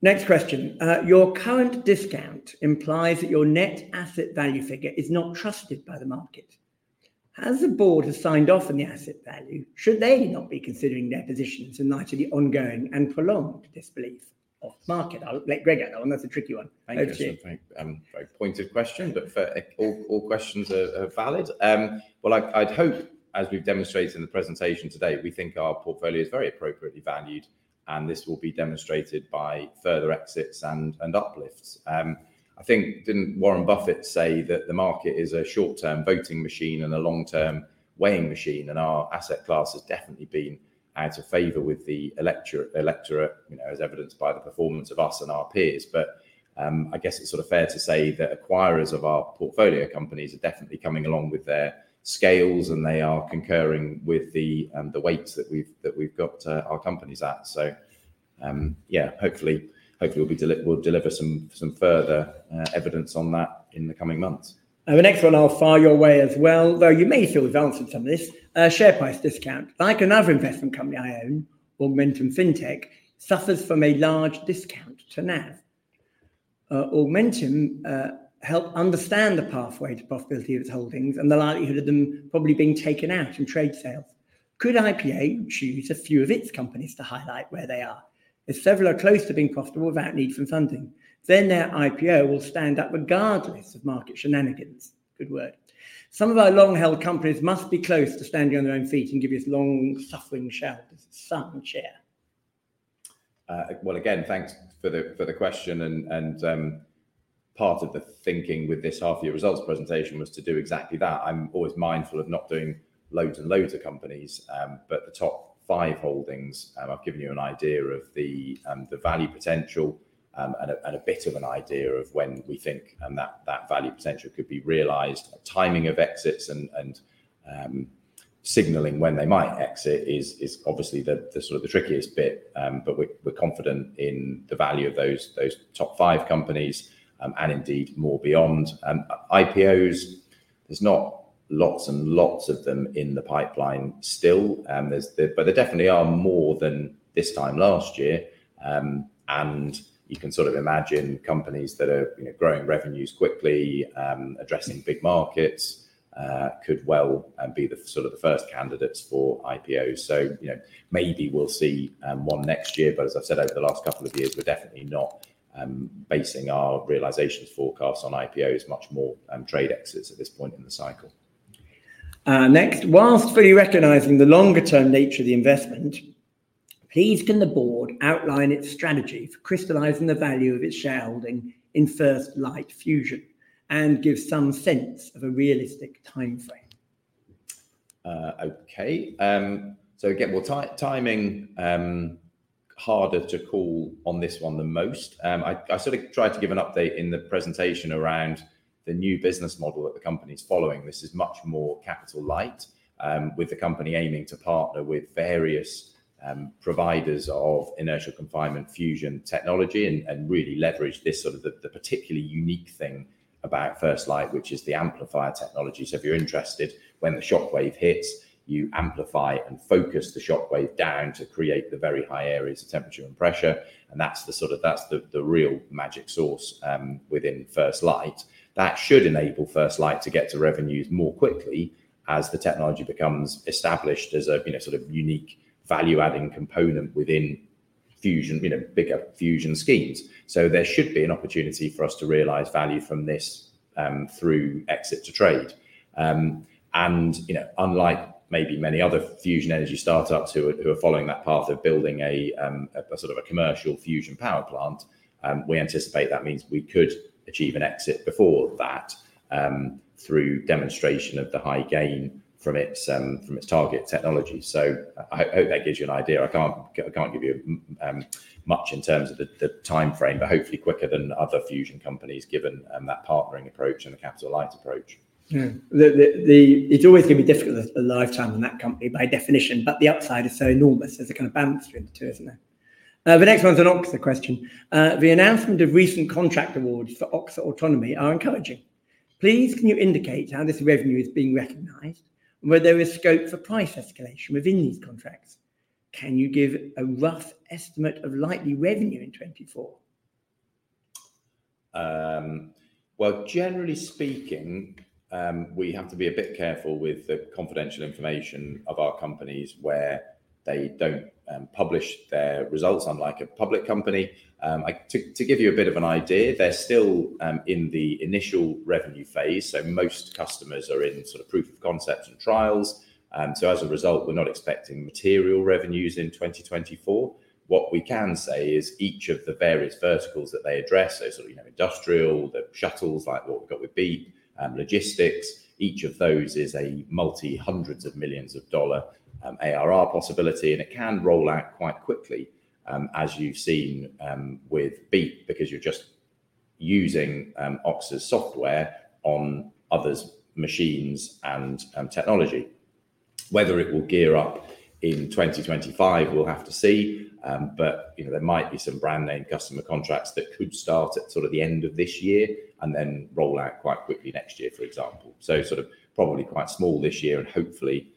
Next question. Your current discount implies that your net asset value figure is not trusted by the market. As the board has signed off on the asset value, should they not be considering their positions in light of the ongoing and prolonged disbelief of the market? I'll let Greg have that one. That's a tricky one. Thank you. Very pointed question, but fair, all questions are valid. I'd hope, as we've demonstrated in the presentation today, we think our portfolio is very appropriately valued, and this will be demonstrated by further exits and uplifts. I think, didn't Warren Buffett say that the market is a short-term voting machine and a long-term weighing machine, and our asset class has definitely been out of favor with the electorate, you know, as evidenced by the performance of us and our peers. But, I guess it's sort of fair to say that acquirers of our portfolio companies are definitely coming along with their scales, and they are concurring with the weights that we've got our companies at. Yeah, hopefully we'll deliver some further evidence on that in the coming months. The next one, I'll fire your way as well, though you may feel we've answered some of this. Share price discount. Like another investment company I own, Augmentum Fintech, suffers from a large discount to NAV. Help understand the pathway to profitability of its holdings and the likelihood of them probably being taken out in trade sales. Could IP Group choose a few of its companies to highlight where they are? If several are close to being profitable, that needs some funding, then their IPO will stand up regardless of market shenanigans. Good work. Some of our long-held companies must be close to standing on their own feet and give you long-suffering shareholders some share. Well, again, thanks for the question and part of the thinking with this half-year results presentation was to do exactly that. I'm always mindful of not doing loads and loads of companies, but the top five holdings, I've given you an idea of the value potential, and a bit of an idea of when we think that value potential could be realized, timing of exits and signaling when they might exit is obviously the sort of the trickiest bit. But we're confident in the value of those top five companies, and indeed more beyond. IPOs, there's not lots and lots of them in the pipeline still, there's... but there definitely are more than this time last year. You can sort of imagine companies that are, you know, growing revenues quickly, addressing big markets, could well be the sort of first candidates for IPOs. So, you know, maybe we'll see more next year. But as I've said over the last couple of years, we're definitely not basing our realizations forecast on IPOs, much more trade exits at this point in the cycle. Next, whilst fully recognizing the longer-term nature of the investment, please can the board outline its strategy for crystallizing the value of its shareholding in First Light Fusion and give some sense of a realistic timeframe? Okay. So again, timing harder to call on this one than most. I sort of tried to give an update in the presentation around the new business model that the company is following. This is much more capital light, with the company aiming to partner with various providers of inertial confinement fusion technology, and really leverage this sort of the particularly unique thing about First Light, which is the amplifier technology. So if you're interested, when the shockwave hits, you amplify and focus the shockwave down to create the very high areas of temperature and pressure, and that's the sort of the real magic source within First Light. That should enable First Light to get to revenues more quickly as the technology becomes established as a, you know, sort of unique value-adding component within fusion, you know, bigger fusion schemes. So there should be an opportunity for us to realize value from this through exit to trade. And, you know, unlike maybe many other fusion energy startups who are following that path of building a sort of a commercial fusion power plant, we anticipate that means we could achieve an exit before that through demonstration of the high gain from its target technology. So I hope that gives you an idea. I can't give you much in terms of the timeframe, but hopefully quicker than other fusion companies given that partnering approach and the capital light approach. Yeah. It's always going to be difficult, the lifetime in that company, by definition, but the upside is so enormous, there's a kind of balance between the two, isn't there? The next one's an Oxa question. The announcement of recent contract awards for Oxa Autonomy are encouraging. Please, can you indicate how this revenue is being recognized and whether there is scope for price escalation within these contracts? Can you give a rough estimate of likely revenue in 2024? Well, generally speaking, we have to be a bit careful with the confidential information of our companies where they don't publish their results unlike a public company. To give you a bit of an idea, they're still in the initial revenue phase, so most customers are in sort of proof of concepts and trials. So as a result, we're not expecting material revenues in 2024. What we can say is each of the various verticals that they address, so sort of, you know, industrial, the shuttles, like what we've got with Beep, logistics, each of those is a multi-hundreds of millions of dollars ARR possibility, and it can roll out quite quickly, as you've seen with Beep, because you're just using Oxa's software on others' machines and technology. Whether it will gear up in 2025, we'll have to see. But, you know, there might be some brand-name customer contracts that could start at sort of the end of this year and then roll out quite quickly next year, for example. So sort of probably quite small this year, and hopefully,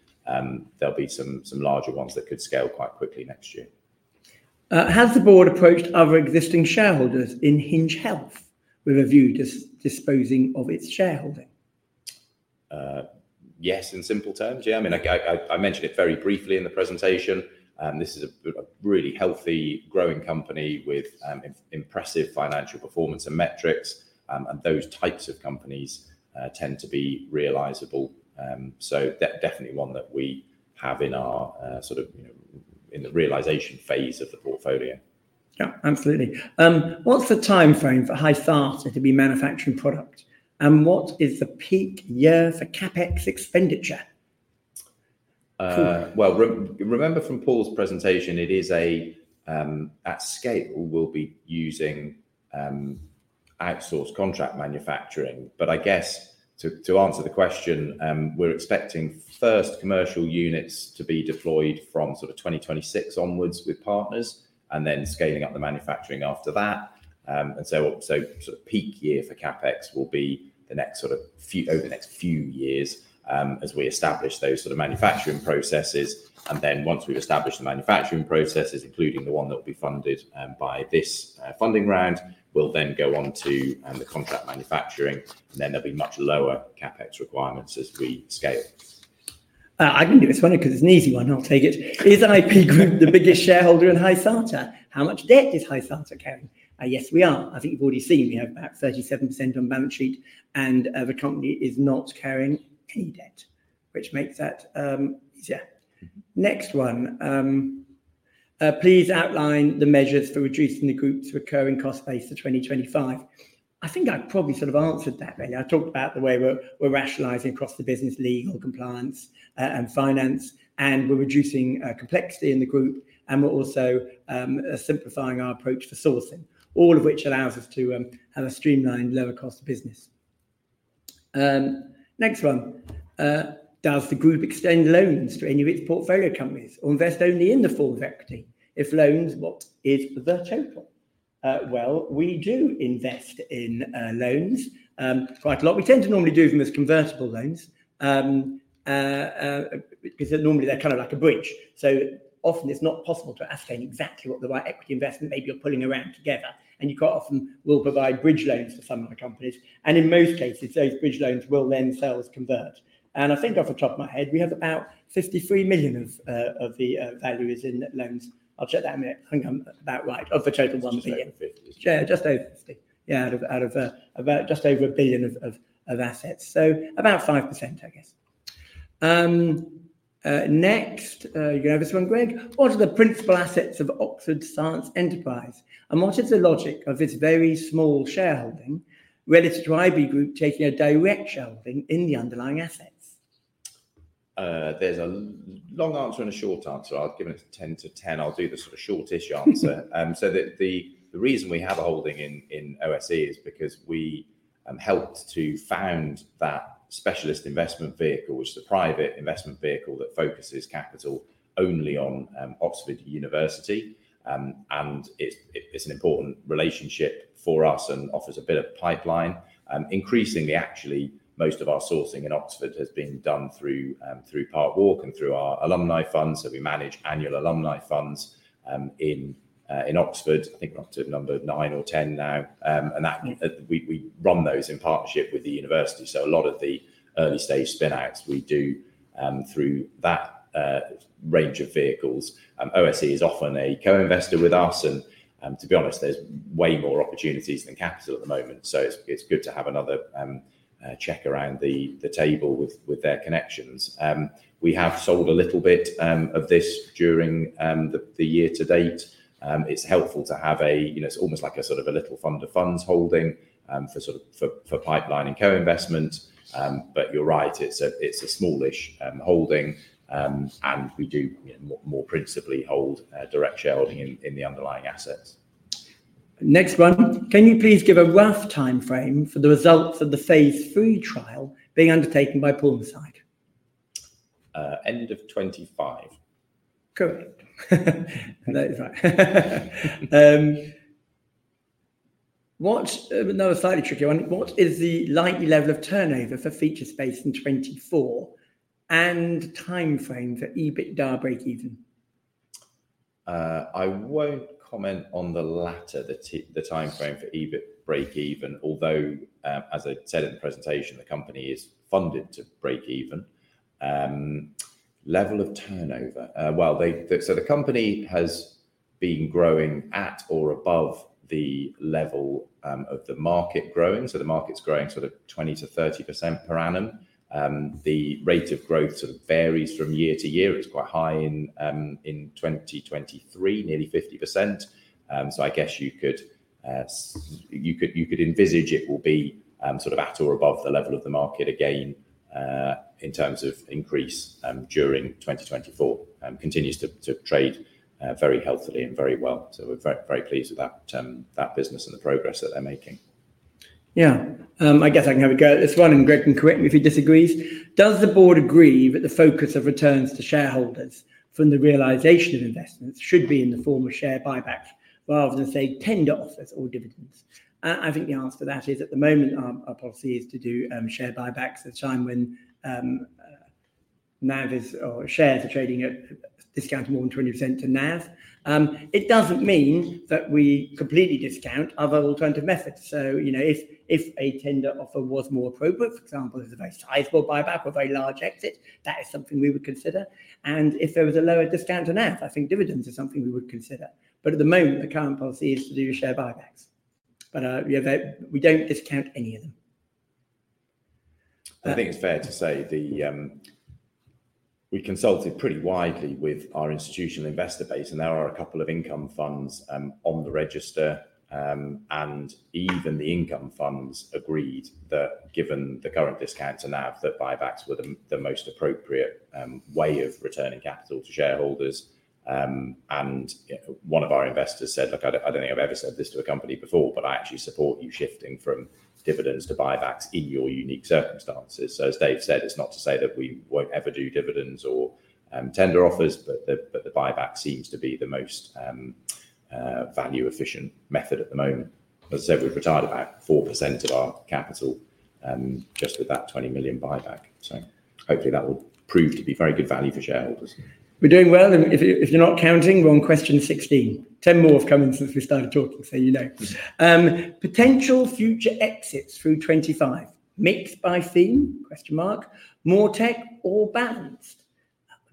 there'll be some larger ones that could scale quite quickly next year. Has the board approached other existing shareholders in Hinge Health with a view disposing of its shareholding? Yes, in simple terms. Yeah, I mean, I mentioned it very briefly in the presentation, this is a really healthy, growing company with impressive financial performance and metrics, and those types of companies tend to be realizable. So definitely one that we have in our sort of, you know, in the realization phase of the portfolio. Yeah, absolutely. What's the timeframe for Hysata to be manufacturing product, and what is the peak year for CapEx expenditure? Remember from Paul's presentation, it is at scale, we'll be using outsourced contract manufacturing. But I guess to answer the question, we're expecting first commercial units to be deployed from sort of 2026 onwards with partners and then scaling up the manufacturing after that. And so sort of peak year for CapEx will be over the next few years as we establish those sort of manufacturing processes. And then once we've established the manufacturing processes, including the one that will be funded by this funding round, we'll then go on to the contract manufacturing, and then there'll be much lower CapEx requirements as we scale. I can do this one because it's an easy one. I'll take it. Is IP Group the biggest shareholder in Hysata? How much debt is Hysata carrying? Yes, we are. I think you've already seen we have about 37% on balance sheet, and the company is not carrying any debt, which makes that easier. Next one, please outline the measures for reducing the group's recurring cost base to 2025. I think I probably sort of answered that earlier. I talked about the way we're rationalizing across the business, legal, compliance, and finance, and we're reducing complexity in the group, and we're also simplifying our approach to sourcing, all of which allows us to have a streamlined, lower-cost business. Next one, does the group extend loans to any of its portfolio companies or invest only in the form of equity? If loans, what is the total? Well, we do invest in loans quite a lot. We tend to normally do them as convertible loans because normally they're kind of like a bridge. So often it's not possible to ascertain exactly what the right equity investment maybe you're pulling around together, and you quite often will provide bridge loans for some of the companies, and in most cases, those bridge loans will then themselves convert. And I think off the top of my head, we have about 53 million of the values in loans. I'll check that in a minute. I think I'm about right of the total ones- Just over 50. Yeah, just over 50. Yeah, out of about just over a billion of assets. So about 5%, I guess. Next, you can have this one, Greg. What are the principal assets of Oxford Science Enterprises? And what is the logic of its very small shareholding, relative to IP Group taking a direct shareholding in the underlying assets? There's a long answer and a short answer. I've given it ten to ten, I'll do the sort of shortish answer. So the reason we have a holding in OSE is because we helped to found that specialist investment vehicle, which is a private investment vehicle that focuses capital only on Oxford University. And it's an important relationship for us and offers a bit of pipeline. Increasingly, actually, most of our sourcing in Oxford has been done through Parkwalk and through our alumni funds. So we manage annual alumni funds in Oxford. I think we're up to number nine or 10 now. And that- Mm. We run those in partnership with the university. So a lot of the early-stage spin-outs we do through that range of vehicles. OSE is often a co-investor with us, and to be honest, there's way more opportunities than capital at the moment, so it's good to have another check around the table with their connections. We have sold a little bit of this during the year to date. It's helpful to have a, you know, it's almost like a sort of a little fund to funds holding for sort of for pipeline and co-investment. But you're right, it's a smallish holding, and we do more principally hold a direct shareholding in the underlying assets. Next one: Can you please give a rough time frame for the results of the phase III trial being undertaken by Pulmocide? End of 2025. Correct. That is right. Another slightly tricky one: What is the likely level of turnover for Featurespace in 2024, and time frame for EBITDA breakeven? I won't comment on the latter, the time frame for EBITDA breakeven, although, as I said in the presentation, the company is funded to breakeven. Level of turnover. Well, they, so the company has been growing at or above the level of the market growing, so the market's growing sort of 20%-30% per annum. The rate of growth sort of varies from year to year. It's quite high in 2023, nearly 50%. So I guess you could envisage it will be sort of at or above the level of the market again in terms of increase during 2024, continues to trade very healthily and very well. So we're very, very pleased with that business and the progress that they're making. Yeah. I guess I can have a go at this one, and Greg can correct me if he disagrees. Does the board agree that the focus of returns to shareholders from the realization of investments should be in the form of share buybacks rather than, say, tender offers or dividends? I think the answer to that is, at the moment, our policy is to do share buybacks at the time when NAV is, or shares are trading at a discount of more than 20% to NAV. It doesn't mean that we completely discount other alternative methods. So, you know, if a tender offer was more appropriate, for example, it's a very sizable buyback or very large exit, that is something we would consider, and if there was a lower discount on NAV, I think dividends is something we would consider. But at the moment, the current policy is to do share buybacks. But, yeah, we don't discount any of them. I think it's fair to say that we consulted pretty widely with our institutional investor base, and there are a couple of income funds on the register, and even the income funds agreed that given the current discount to NAV, that buybacks were the most appropriate way of returning capital to shareholders. One of our investors said, "Look, I don't think I've ever said this to a company before, but I actually support you shifting from dividends to buybacks in your unique circumstances." So as Dave said, it's not to say that we won't ever do dividends or tender offers, but the buyback seems to be the most value-efficient method at the moment. As I said, we've retired about 4% of our capital just with that 20 million buyback. So hopefully, that will prove to be very good value for shareholders. We're doing well, and if you're not counting, we're on question 16. 10 more have come in since we started talking, so you know. Potential future exits through 2025, mixed by theme? More tech or balanced?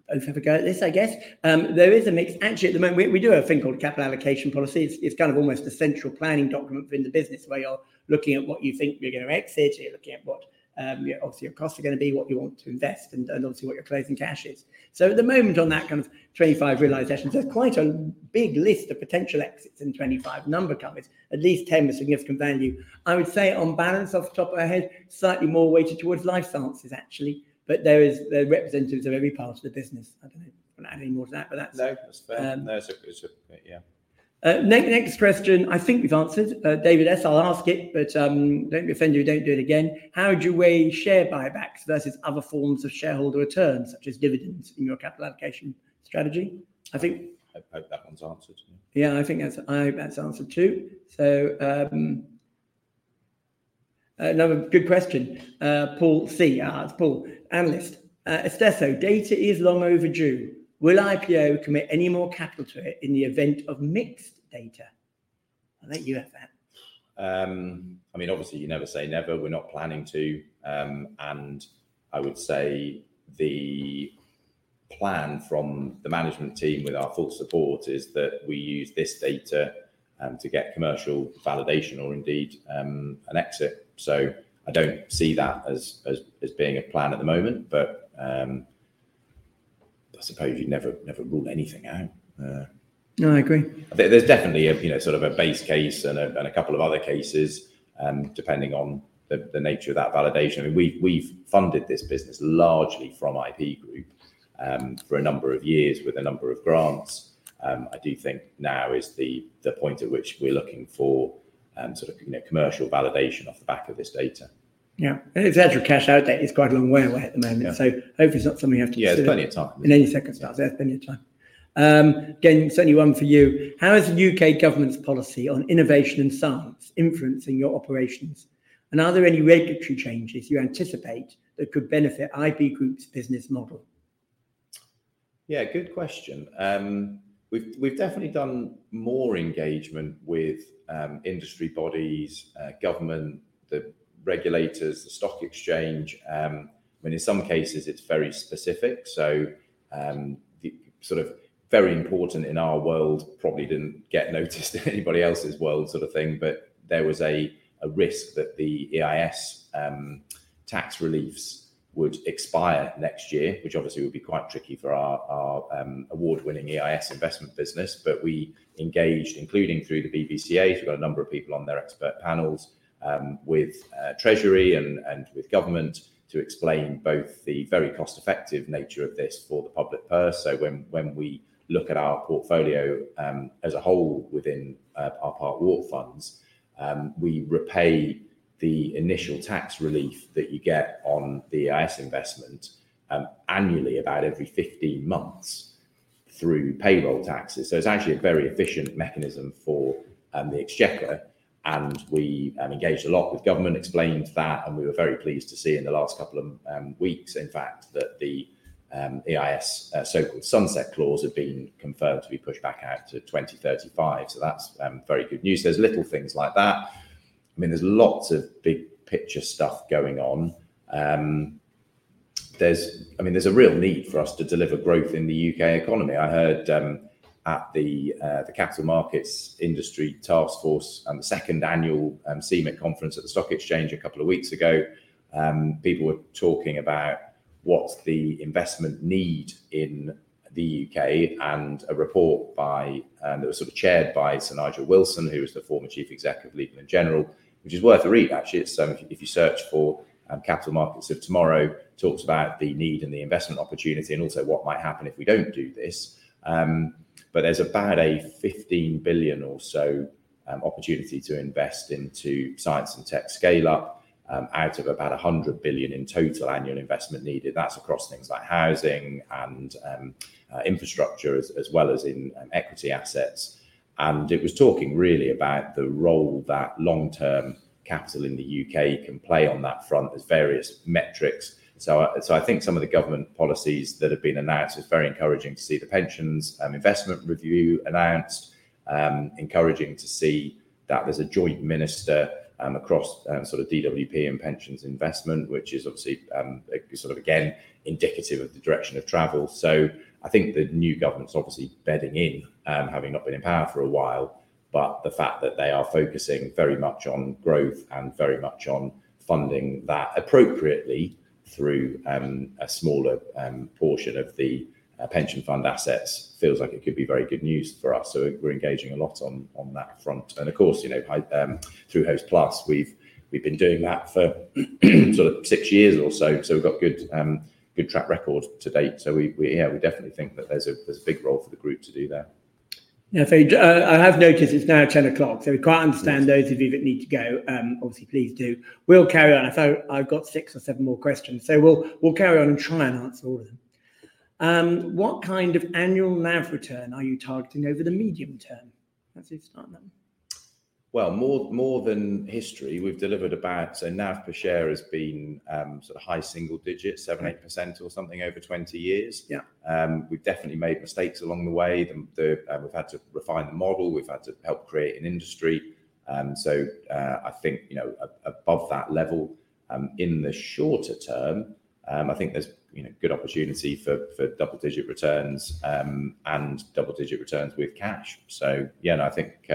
Both have a go at this, I guess. There is a mix. Actually, at the moment, we do have a thing called capital allocation policy. It's kind of almost a central planning document within the business, where you're looking at what you think you're going to exit, you're looking at what, obviously, your costs are going to be, what you want to invest, and obviously, what your closing cash is. So at the moment on that kind of 2025 realizations, there's quite a big list of potential exits in 2025. Number comes, at least 10 with significant value. I would say on balance, off the top of my head, slightly more weighted towards life sciences, actually, but there is, there are representatives of every part of the business. I don't know, I don't have any more to that, but that's- No, that's fair. Um- That's it. Yeah. Next question, I think we've answered. David S, I'll ask it, but don't be offended if we don't do it again. How would you weigh share buybacks versus other forms of shareholder returns, such as dividends in your capital allocation strategy? I think- I hope that one's answered. Yeah, I think that's. I hope that's answered, too. So, another good question. Paul C, it's Paul, analyst. Istesso, data is long overdue. Will IP Group commit any more capital to it in the event of mixed data? I think you have that. I mean, obviously, you never say never. We're not planning to, and I would say the plan from the management team with our full support is that we use this data to get commercial validation or indeed, an exit. So I don't see that as being a plan at the moment, but, I suppose you never rule anything out. No, I agree. There's definitely a, you know, sort of a base case and a couple of other cases, depending on the nature of that validation. I mean, we've funded this business largely from IP Group for a number of years with a number of grants. I do think now is the point at which we're looking for, sort of, you know, commercial validation off the back of this data. Yeah. And if you had your cash out, that is quite a long way away at the moment. Yeah. So hopefully, it's not something you have to consider- Yeah, there's plenty of time. In a second, start. There's plenty of time. Again, certainly one for you. How is the U.K. government's policy on innovation and science influencing your operations? And are there any regulatory changes you anticipate that could benefit IP Group's business model? Yeah, good question. We've definitely done more engagement with industry bodies, government, the regulators, the stock exchange. I mean, in some cases it's very specific, so the sort of very important in our world probably didn't get noticed in anybody else's world sort of thing, but there was a risk that the EIS tax reliefs would expire next year, which obviously would be quite tricky for our award-winning EIS investment business. But we engaged, including through the BVCA, so we've got a number of people on their expert panels with treasury and with government, to explain both the very cost-effective nature of this for the public purse. So when we look at our portfolio as a whole within our Parkwalk funds, we repay the initial tax relief that you get on the EIS investment annually, about every 15 months through payroll taxes. So it's actually a very efficient mechanism for the exchequer, and we engaged a lot with government, explained that, and we were very pleased to see in the last couple of weeks, in fact, that the EIS so-called sunset clause had been confirmed to be pushed back out to twenty thirty-five. So that's very good news. There's little things like that. I mean, there's lots of big picture stuff going on. There's, I mean, there's a real need for us to deliver growth in the U.K. economy. I heard at the Capital Markets Industry Task Force and the second annual CMIT conference at the Stock Exchange a couple of weeks ago, people were talking about what's the investment need in the U.K., and a report by that was sort of chaired by Sir Nigel Wilson, who was the former chief executive of Legal & General, which is worth a read, actually. It's if you search for Capital Markets of Tomorrow, talks about the need and the investment opportunity and also what might happen if we don't do this. But there's about a 15 billion or so opportunity to invest into science and tech scaleup, out of about 100 billion in total annual investment needed. That's across things like housing and infrastructure, as well as in equity assets. It was talking really about the role that long-term capital in the U.K. can play on that front as various metrics. So I think some of the government policies that have been announced. It's very encouraging to see the Pensions Investment Review announced. Encouraging to see that there's a joint minister across sort of DWP and pensions investment, which is obviously sort of again indicative of the direction of travel. So I think the new government's obviously bedding in, having not been in power for a while, but the fact that they are focusing very much on growth and very much on funding that appropriately through a smaller portion of the pension fund assets feels like it could be very good news for us. So we're engaging a lot on that front. Of course, you know, through Hostplus, we've been doing that for sort of six years or so. We've got good track record to date. Yeah, we definitely think that there's a big role for the group to do there. Yeah. So, I have noticed it's now 10:00 A.M., so we quite understand those of you that need to go, obviously, please do. We'll carry on. I thought I've got six or seven more questions, so we'll carry on and try and answer all of them. What kind of annual NAV return are you targeting over the medium term? Let's just start on them. More than history, we've delivered about, so NAV per share has been sort of high single digits, seven, eight percent or something over 20 years. Yeah. We've definitely made mistakes along the way. We've had to refine the model. We've had to help create an industry. I think, you know, above that level, in the shorter term, I think there's, you know, good opportunity for double-digit returns, and double-digit returns with cash. Yeah, and I think,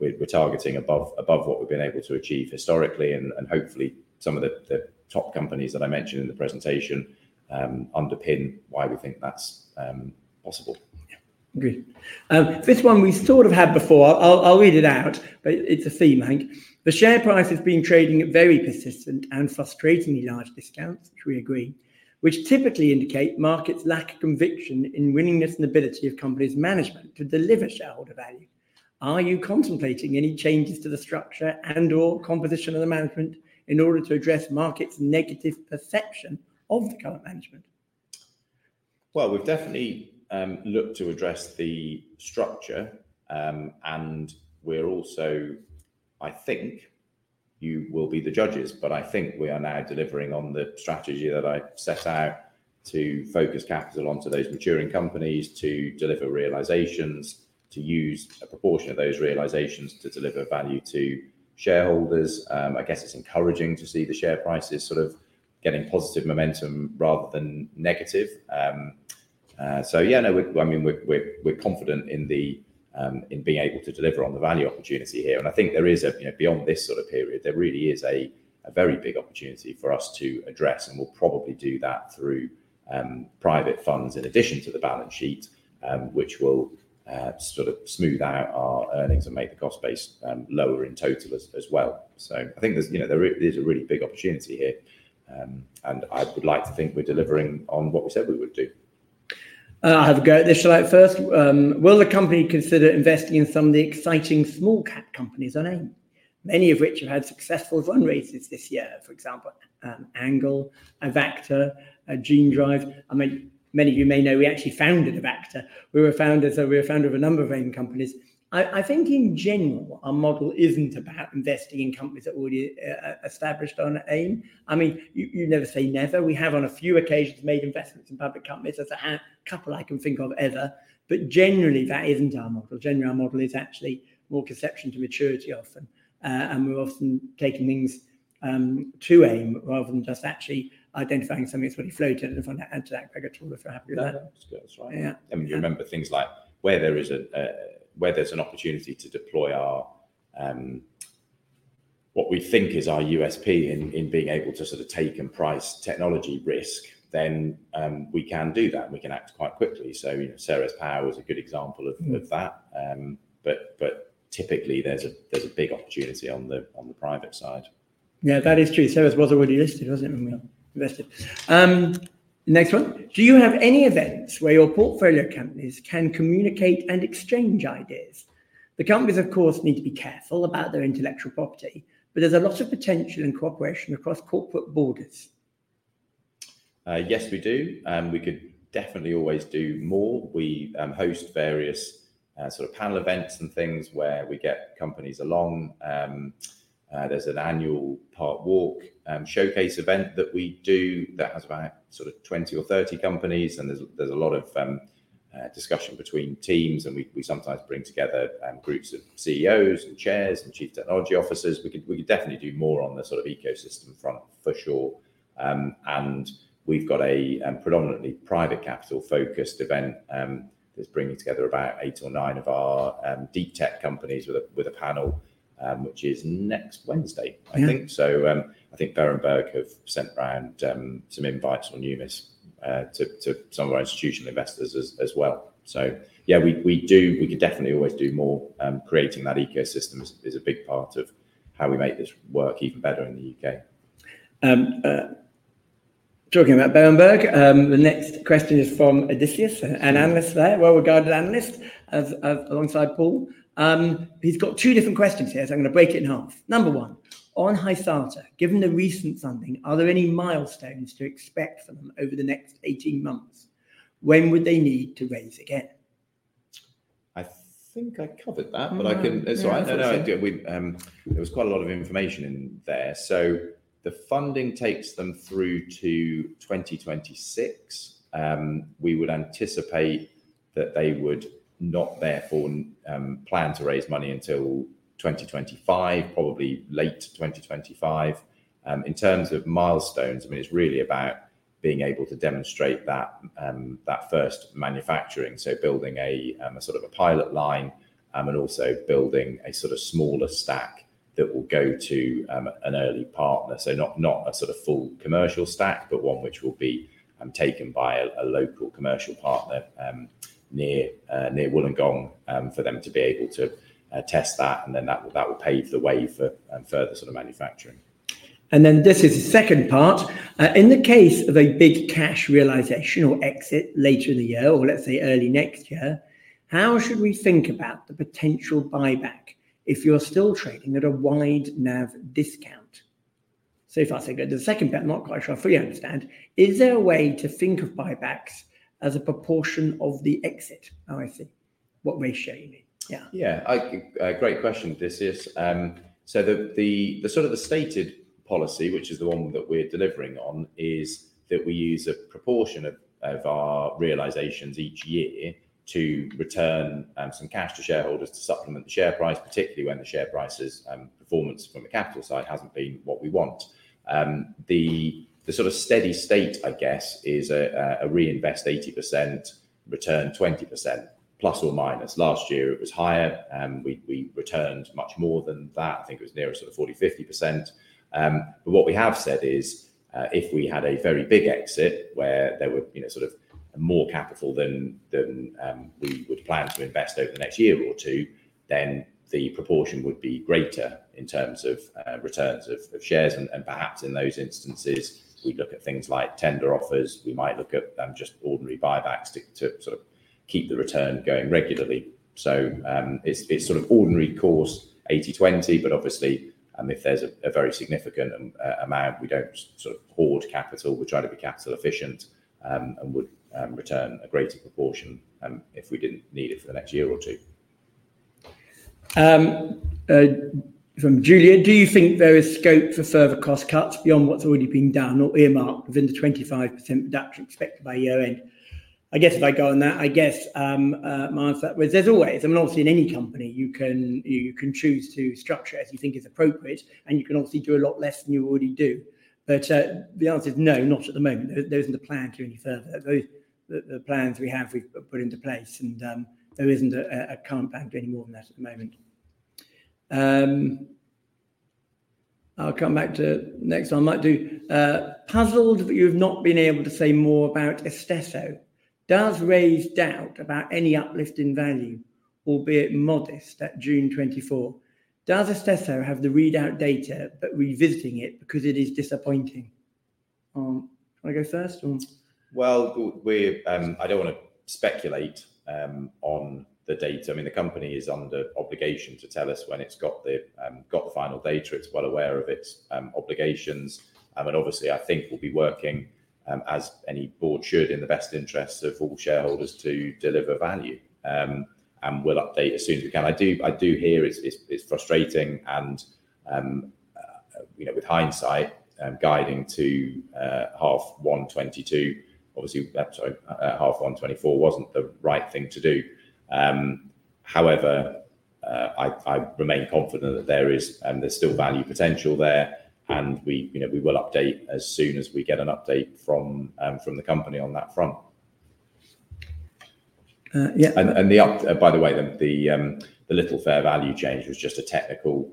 we're targeting above what we've been able to achieve historically, and hopefully, some of the top companies that I mentioned in the presentation underpin why we think that's possible. Yeah. Agreed. This one we sort of had before. I'll read it out, but it's a theme, Hank. The share price has been trading at very persistent and frustratingly large discounts, which we agree, which typically indicate markets lack conviction in willingness and ability of company's management to deliver shareholder value. Are you contemplating any changes to the structure and/or composition of the management in order to address market's negative perception of the current management? Well, we've definitely looked to address the structure, and we're also, I think. You will be the judges, but I think we are now delivering on the strategy that I set out to focus capital onto those maturing companies, to deliver realizations, to use a proportion of those realizations to deliver value to shareholders. I guess it's encouraging to see the share prices sort of getting positive momentum rather than negative, and so yeah, no, I mean, we're confident in being able to deliver on the value opportunity here. And I think there is, you know, beyond this sort of period, there really is a very big opportunity for us to address, and we'll probably do that through private funds in addition to the balance sheet, which will sort of smooth out our earnings and make the cost base lower in total as well. So I think there's, you know, a really big opportunity here, and I would like to think we're delivering on what we said we would do. I'll have a go at this, shall I? First, will the company consider investing in some of the exciting small cap companies on AIM, many of which have had successful fundraises this year, for example, Angle, Avacta, Genedrive? I mean, many of you may know, we actually founded Avacta. We were founders, so we're a founder of a number of AIM companies. I think in general, our model isn't about investing in companies that already established on AIM. I mean, you never say never. We have, on a few occasions, made investments in public companies. There's a handful, couple I can think of ever, but generally, that isn't our model. Generally, our model is actually more from conception to maturity often, and we're often taking things to AIM rather than just actually identifying something that's already floated and add to that aggregate pool, if you're happy with that. Yeah, that's right. Yeah. I mean, you remember things like where there's an opportunity to deploy our, what we think is our USP in being able to sort of take and price technology risk, then we can do that, and we can act quite quickly. So, you know, Ceres Power was a good example of that. But typically, there's a big opportunity on the private side. Yeah, that is true. Ceres was already listed, wasn't it, when we invested? Next one. Do you have any events where your portfolio companies can communicate and exchange ideas? The companies, of course, need to be careful about their intellectual property, but there's a lot of potential in cooperation across corporate borders. Yes, we do, and we could definitely always do more. We host various sort of panel events and things where we get companies along. There's an annual Parkwalk showcase event that we do that has about sort of twenty or thirty companies, and there's a lot of discussion between teams, and we sometimes bring together groups of CEOs and chairs and chief technology officers. We could definitely do more on the sort of ecosystem front, for sure. And we've got a predominantly private capital-focused event that's bringing together about eight or nine of our deep tech companies with a panel which is next Wednesday- Yeah... I think. So, I think Berenberg have sent around some invites on Numis to some of our institutional investors as well. So yeah, we do, we could definitely always do more. Creating that ecosystem is a big part of how we make this work even better in the U.K. Talking about Berenberg, the next question is from Odysseus, an analyst there, well-regarded analyst alongside Paul. He's got two different questions here, so I'm gonna break it in half. Number one, on Hysata, given the recent funding, are there any milestones to expect from them over the next 18 months? When would they need to raise again? I think I covered that, but I can- Yeah. That's all right. No, no, we, there was quite a lot of information in there. So the funding takes them through to 2026. We would anticipate that they would not therefore plan to raise money until 2025, probably late 2025. In terms of milestones, I mean, it's really about being able to demonstrate that first manufacturing, so building a sort of a pilot line, and also building a sort of smaller stack that will go to an early partner. So not a sort of full commercial stack, but one which will be taken by a local commercial partner near Wollongong for them to be able to test that, and then that will pave the way for further sort of manufacturing. Then this is the second part. In the case of a big cash realization or exit later in the year, or let's say early next year, how should we think about the potential buyback if you're still trading at a wide NAV discount? If I take it to the second bit, I'm not quite sure I fully understand. Is there a way to think of buybacks as a proportion of the exit? Oh, I see what you mean. Yeah. Yeah, great question, Odysseus. So the sort of stated policy, which is the one that we're delivering on, is that we use a proportion of our realizations each year to return some cash to shareholders to supplement the share price, particularly when the share price's performance from a capital side hasn't been what we want. The sort of steady state, I guess, is a reinvest 80%, return 20%, plus or minus. Last year, it was higher, we returned much more than that. I think it was nearer to 40%-50%. But what we have said is, if we had a very big exit where there were, you know, sort of more capital than we would plan to invest over the next year or two, then the proportion would be greater in terms of returns of shares, and perhaps in those instances, we'd look at things like tender offers. We might look at just ordinary buybacks to sort of keep the return going regularly. So, it's sort of ordinary course, 80-20, but obviously, if there's a very significant amount, we don't sort of hoard capital. We try to be capital efficient and would return a greater proportion if we didn't need it for the next year or two. From Julia, do you think there is scope for further cost cuts beyond what's already been done or earmarked within the 25% reduction expected by year-end? I guess if I go on that, I guess, my answer, there's always, I mean, obviously, in any company, you can, you can choose to structure as you think is appropriate, and you can obviously do a lot less than you already do. But, the answer is no, not at the moment. There isn't a plan to do any further. The plans we have, we've put into place, and, there isn't a current plan to do any more than that at the moment. I'll come back to next, I might do, puzzled that you have not been able to say more about Istesso. Does raise doubt about any uplisting value, albeit modest, at June twenty-four. Does Istesso have the readout data, but revisiting it because it is disappointing? Want to go first, or? Well, I don't want to speculate on the data. I mean, the company is under obligation to tell us when it's got the final data. It's well aware of its obligations, and obviously, I think we'll be working as any board should in the best interest of all shareholders to deliver value. We'll update as soon as we can. I do hear it's frustrating and, you know, with hindsight, guiding to H1 2022, obviously, sorry, H1 2024 wasn't the right thing to do. However, I remain confident that there is, there's still value potential there, and we, you know, we will update as soon as we get an update from the company on that front. Uh, yeah- By the way, the little fair value change was just a technical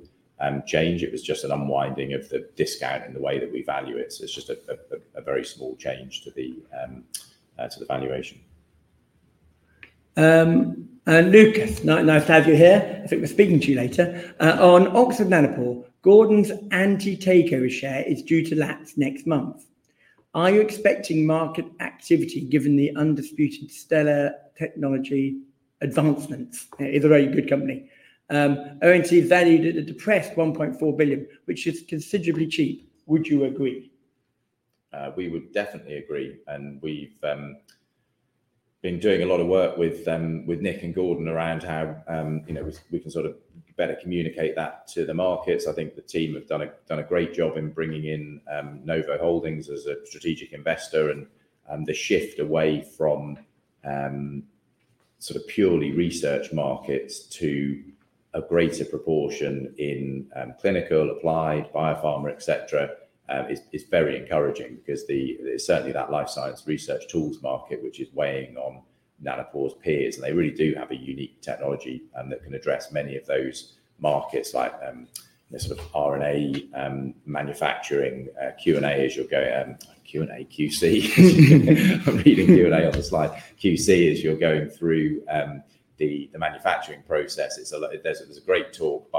change. It was just an unwinding of the discount in the way that we value it. So it's just a very small change to the valuation. And Lucas, nice to have you here. I think we're speaking to you later. On Oxford Nanopore, Gordon's anti-takeover share is due to lapse next month. Are you expecting market activity, given the undisputed stellar technology advancements? It's a very good company. ONT is valued at a depressed 1.4 billion, which is considerably cheap. Would you agree? We would definitely agree, and we've been doing a lot of work with Nick and Gordon around how you know we can sort of better communicate that to the markets. I think the team have done a great job in bringing in Novo Holdings as a strategic investor, and the shift away from sort of purely research markets to a greater proportion in clinical, applied, biopharma, et cetera is very encouraging because certainly that life science research tools market, which is weighing on Nanopore's peers, and they really do have a unique technology, and that can address many of those markets, like this sort of RNA manufacturing QA, as you're going QA, QC. I'm reading QA on the slide. QC, as you're going through the manufacturing process. There's a great talk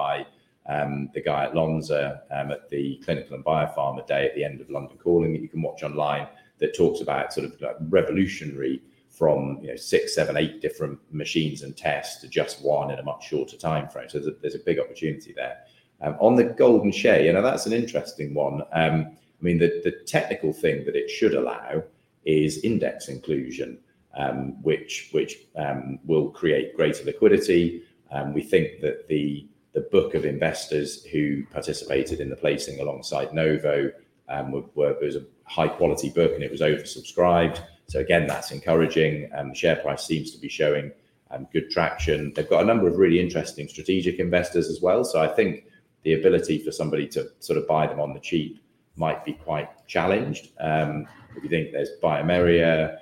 by the guy at Lonza at the Clinical and Pharma Day at the end of London Calling that you can watch online that talks about sort of like revolutionary from, you know, six, seven, eight different machines and tests to just one in a much shorter timeframe. So there's a big opportunity there. On the Golden Share, you know, that's an interesting one. I mean, the technical thing that it should allow is index inclusion, which will create greater liquidity. We think that the book of investors who participated in the placing alongside Novo were was a high-quality book, and it was oversubscribed. So again, that's encouraging, and the share price seems to be showing good traction. They've got a number of really interesting strategic investors as well, so I think the ability for somebody to sort of buy them on the cheap might be quite challenged. If you think there's bioMérieux,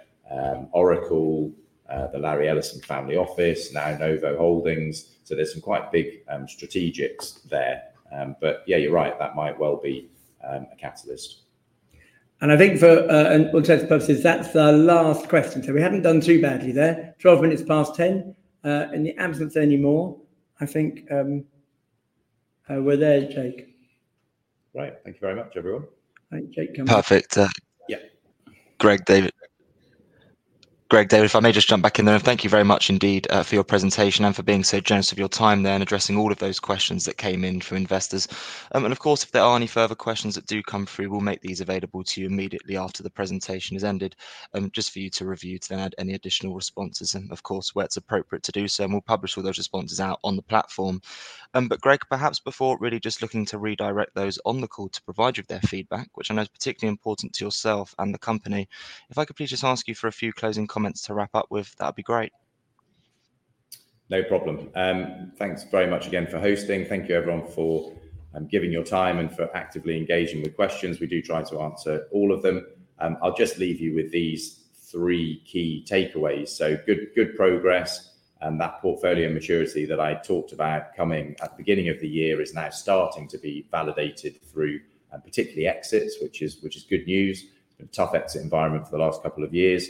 Oracle, the Larry Ellison Family Office, now Novo Holdings, so there's some quite big strategics there. But yeah, you're right, that might well be a catalyst. I think for all intents and purposes, that's our last question. We haven't done too badly there. 10:12 A.M. In the absence of any more, I think we're there, Jake. Great. Thank you very much, everyone. Thank you, Jake. Perfect. Yeah. Greg, David. Greg, David, if I may just jump back in there, thank you very much indeed, for your presentation and for being so generous of your time there and addressing all of those questions that came in from investors. And of course, if there are any further questions that do come through, we'll make these available to you immediately after the presentation has ended, just for you to review to add any additional responses and, of course, where it's appropriate to do so, and we'll publish all those responses out on the platform. But Greg, perhaps before really just looking to redirect those on the call to provide you with their feedback, which I know is particularly important to yourself and the company, if I could please just ask you for a few closing comments to wrap up with, that'd be great. No problem. Thanks very much again for hosting. Thank you, everyone, for giving your time and for actively engaging with questions. We do try to answer all of them. I'll just leave you with these three key takeaways. Good progress, that portfolio maturity that I talked about coming at the beginning of the year is now starting to be validated through particularly exits, which is good news. Tough exit environment for the last couple of years.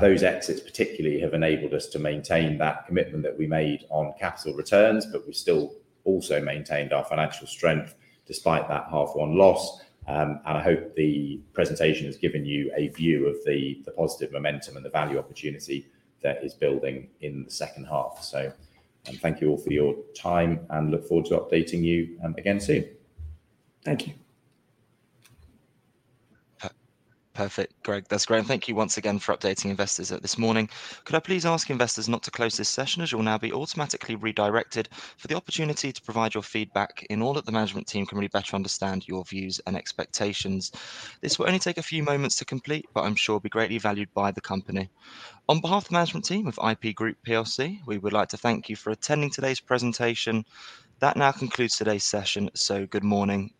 Those exits, particularly, have enabled us to maintain that commitment that we made on capital returns, but we still also maintained our financial strength, despite that half-one loss. I hope the presentation has given you a view of the positive momentum and the value opportunity that is building in the second half. So, thank you all for your time, and look forward to updating you, again soon. Thank you. Perfect, Greg. That's great, and thank you once again for updating investors this morning. Could I please ask investors not to close this session, as you will now be automatically redirected for the opportunity to provide your feedback in order that the management team can really better understand your views and expectations. This will only take a few moments to complete, but I'm sure will be greatly valued by the company. On behalf of the management team of IP Group PLC, we would like to thank you for attending today's presentation. That now concludes today's session, so good morning.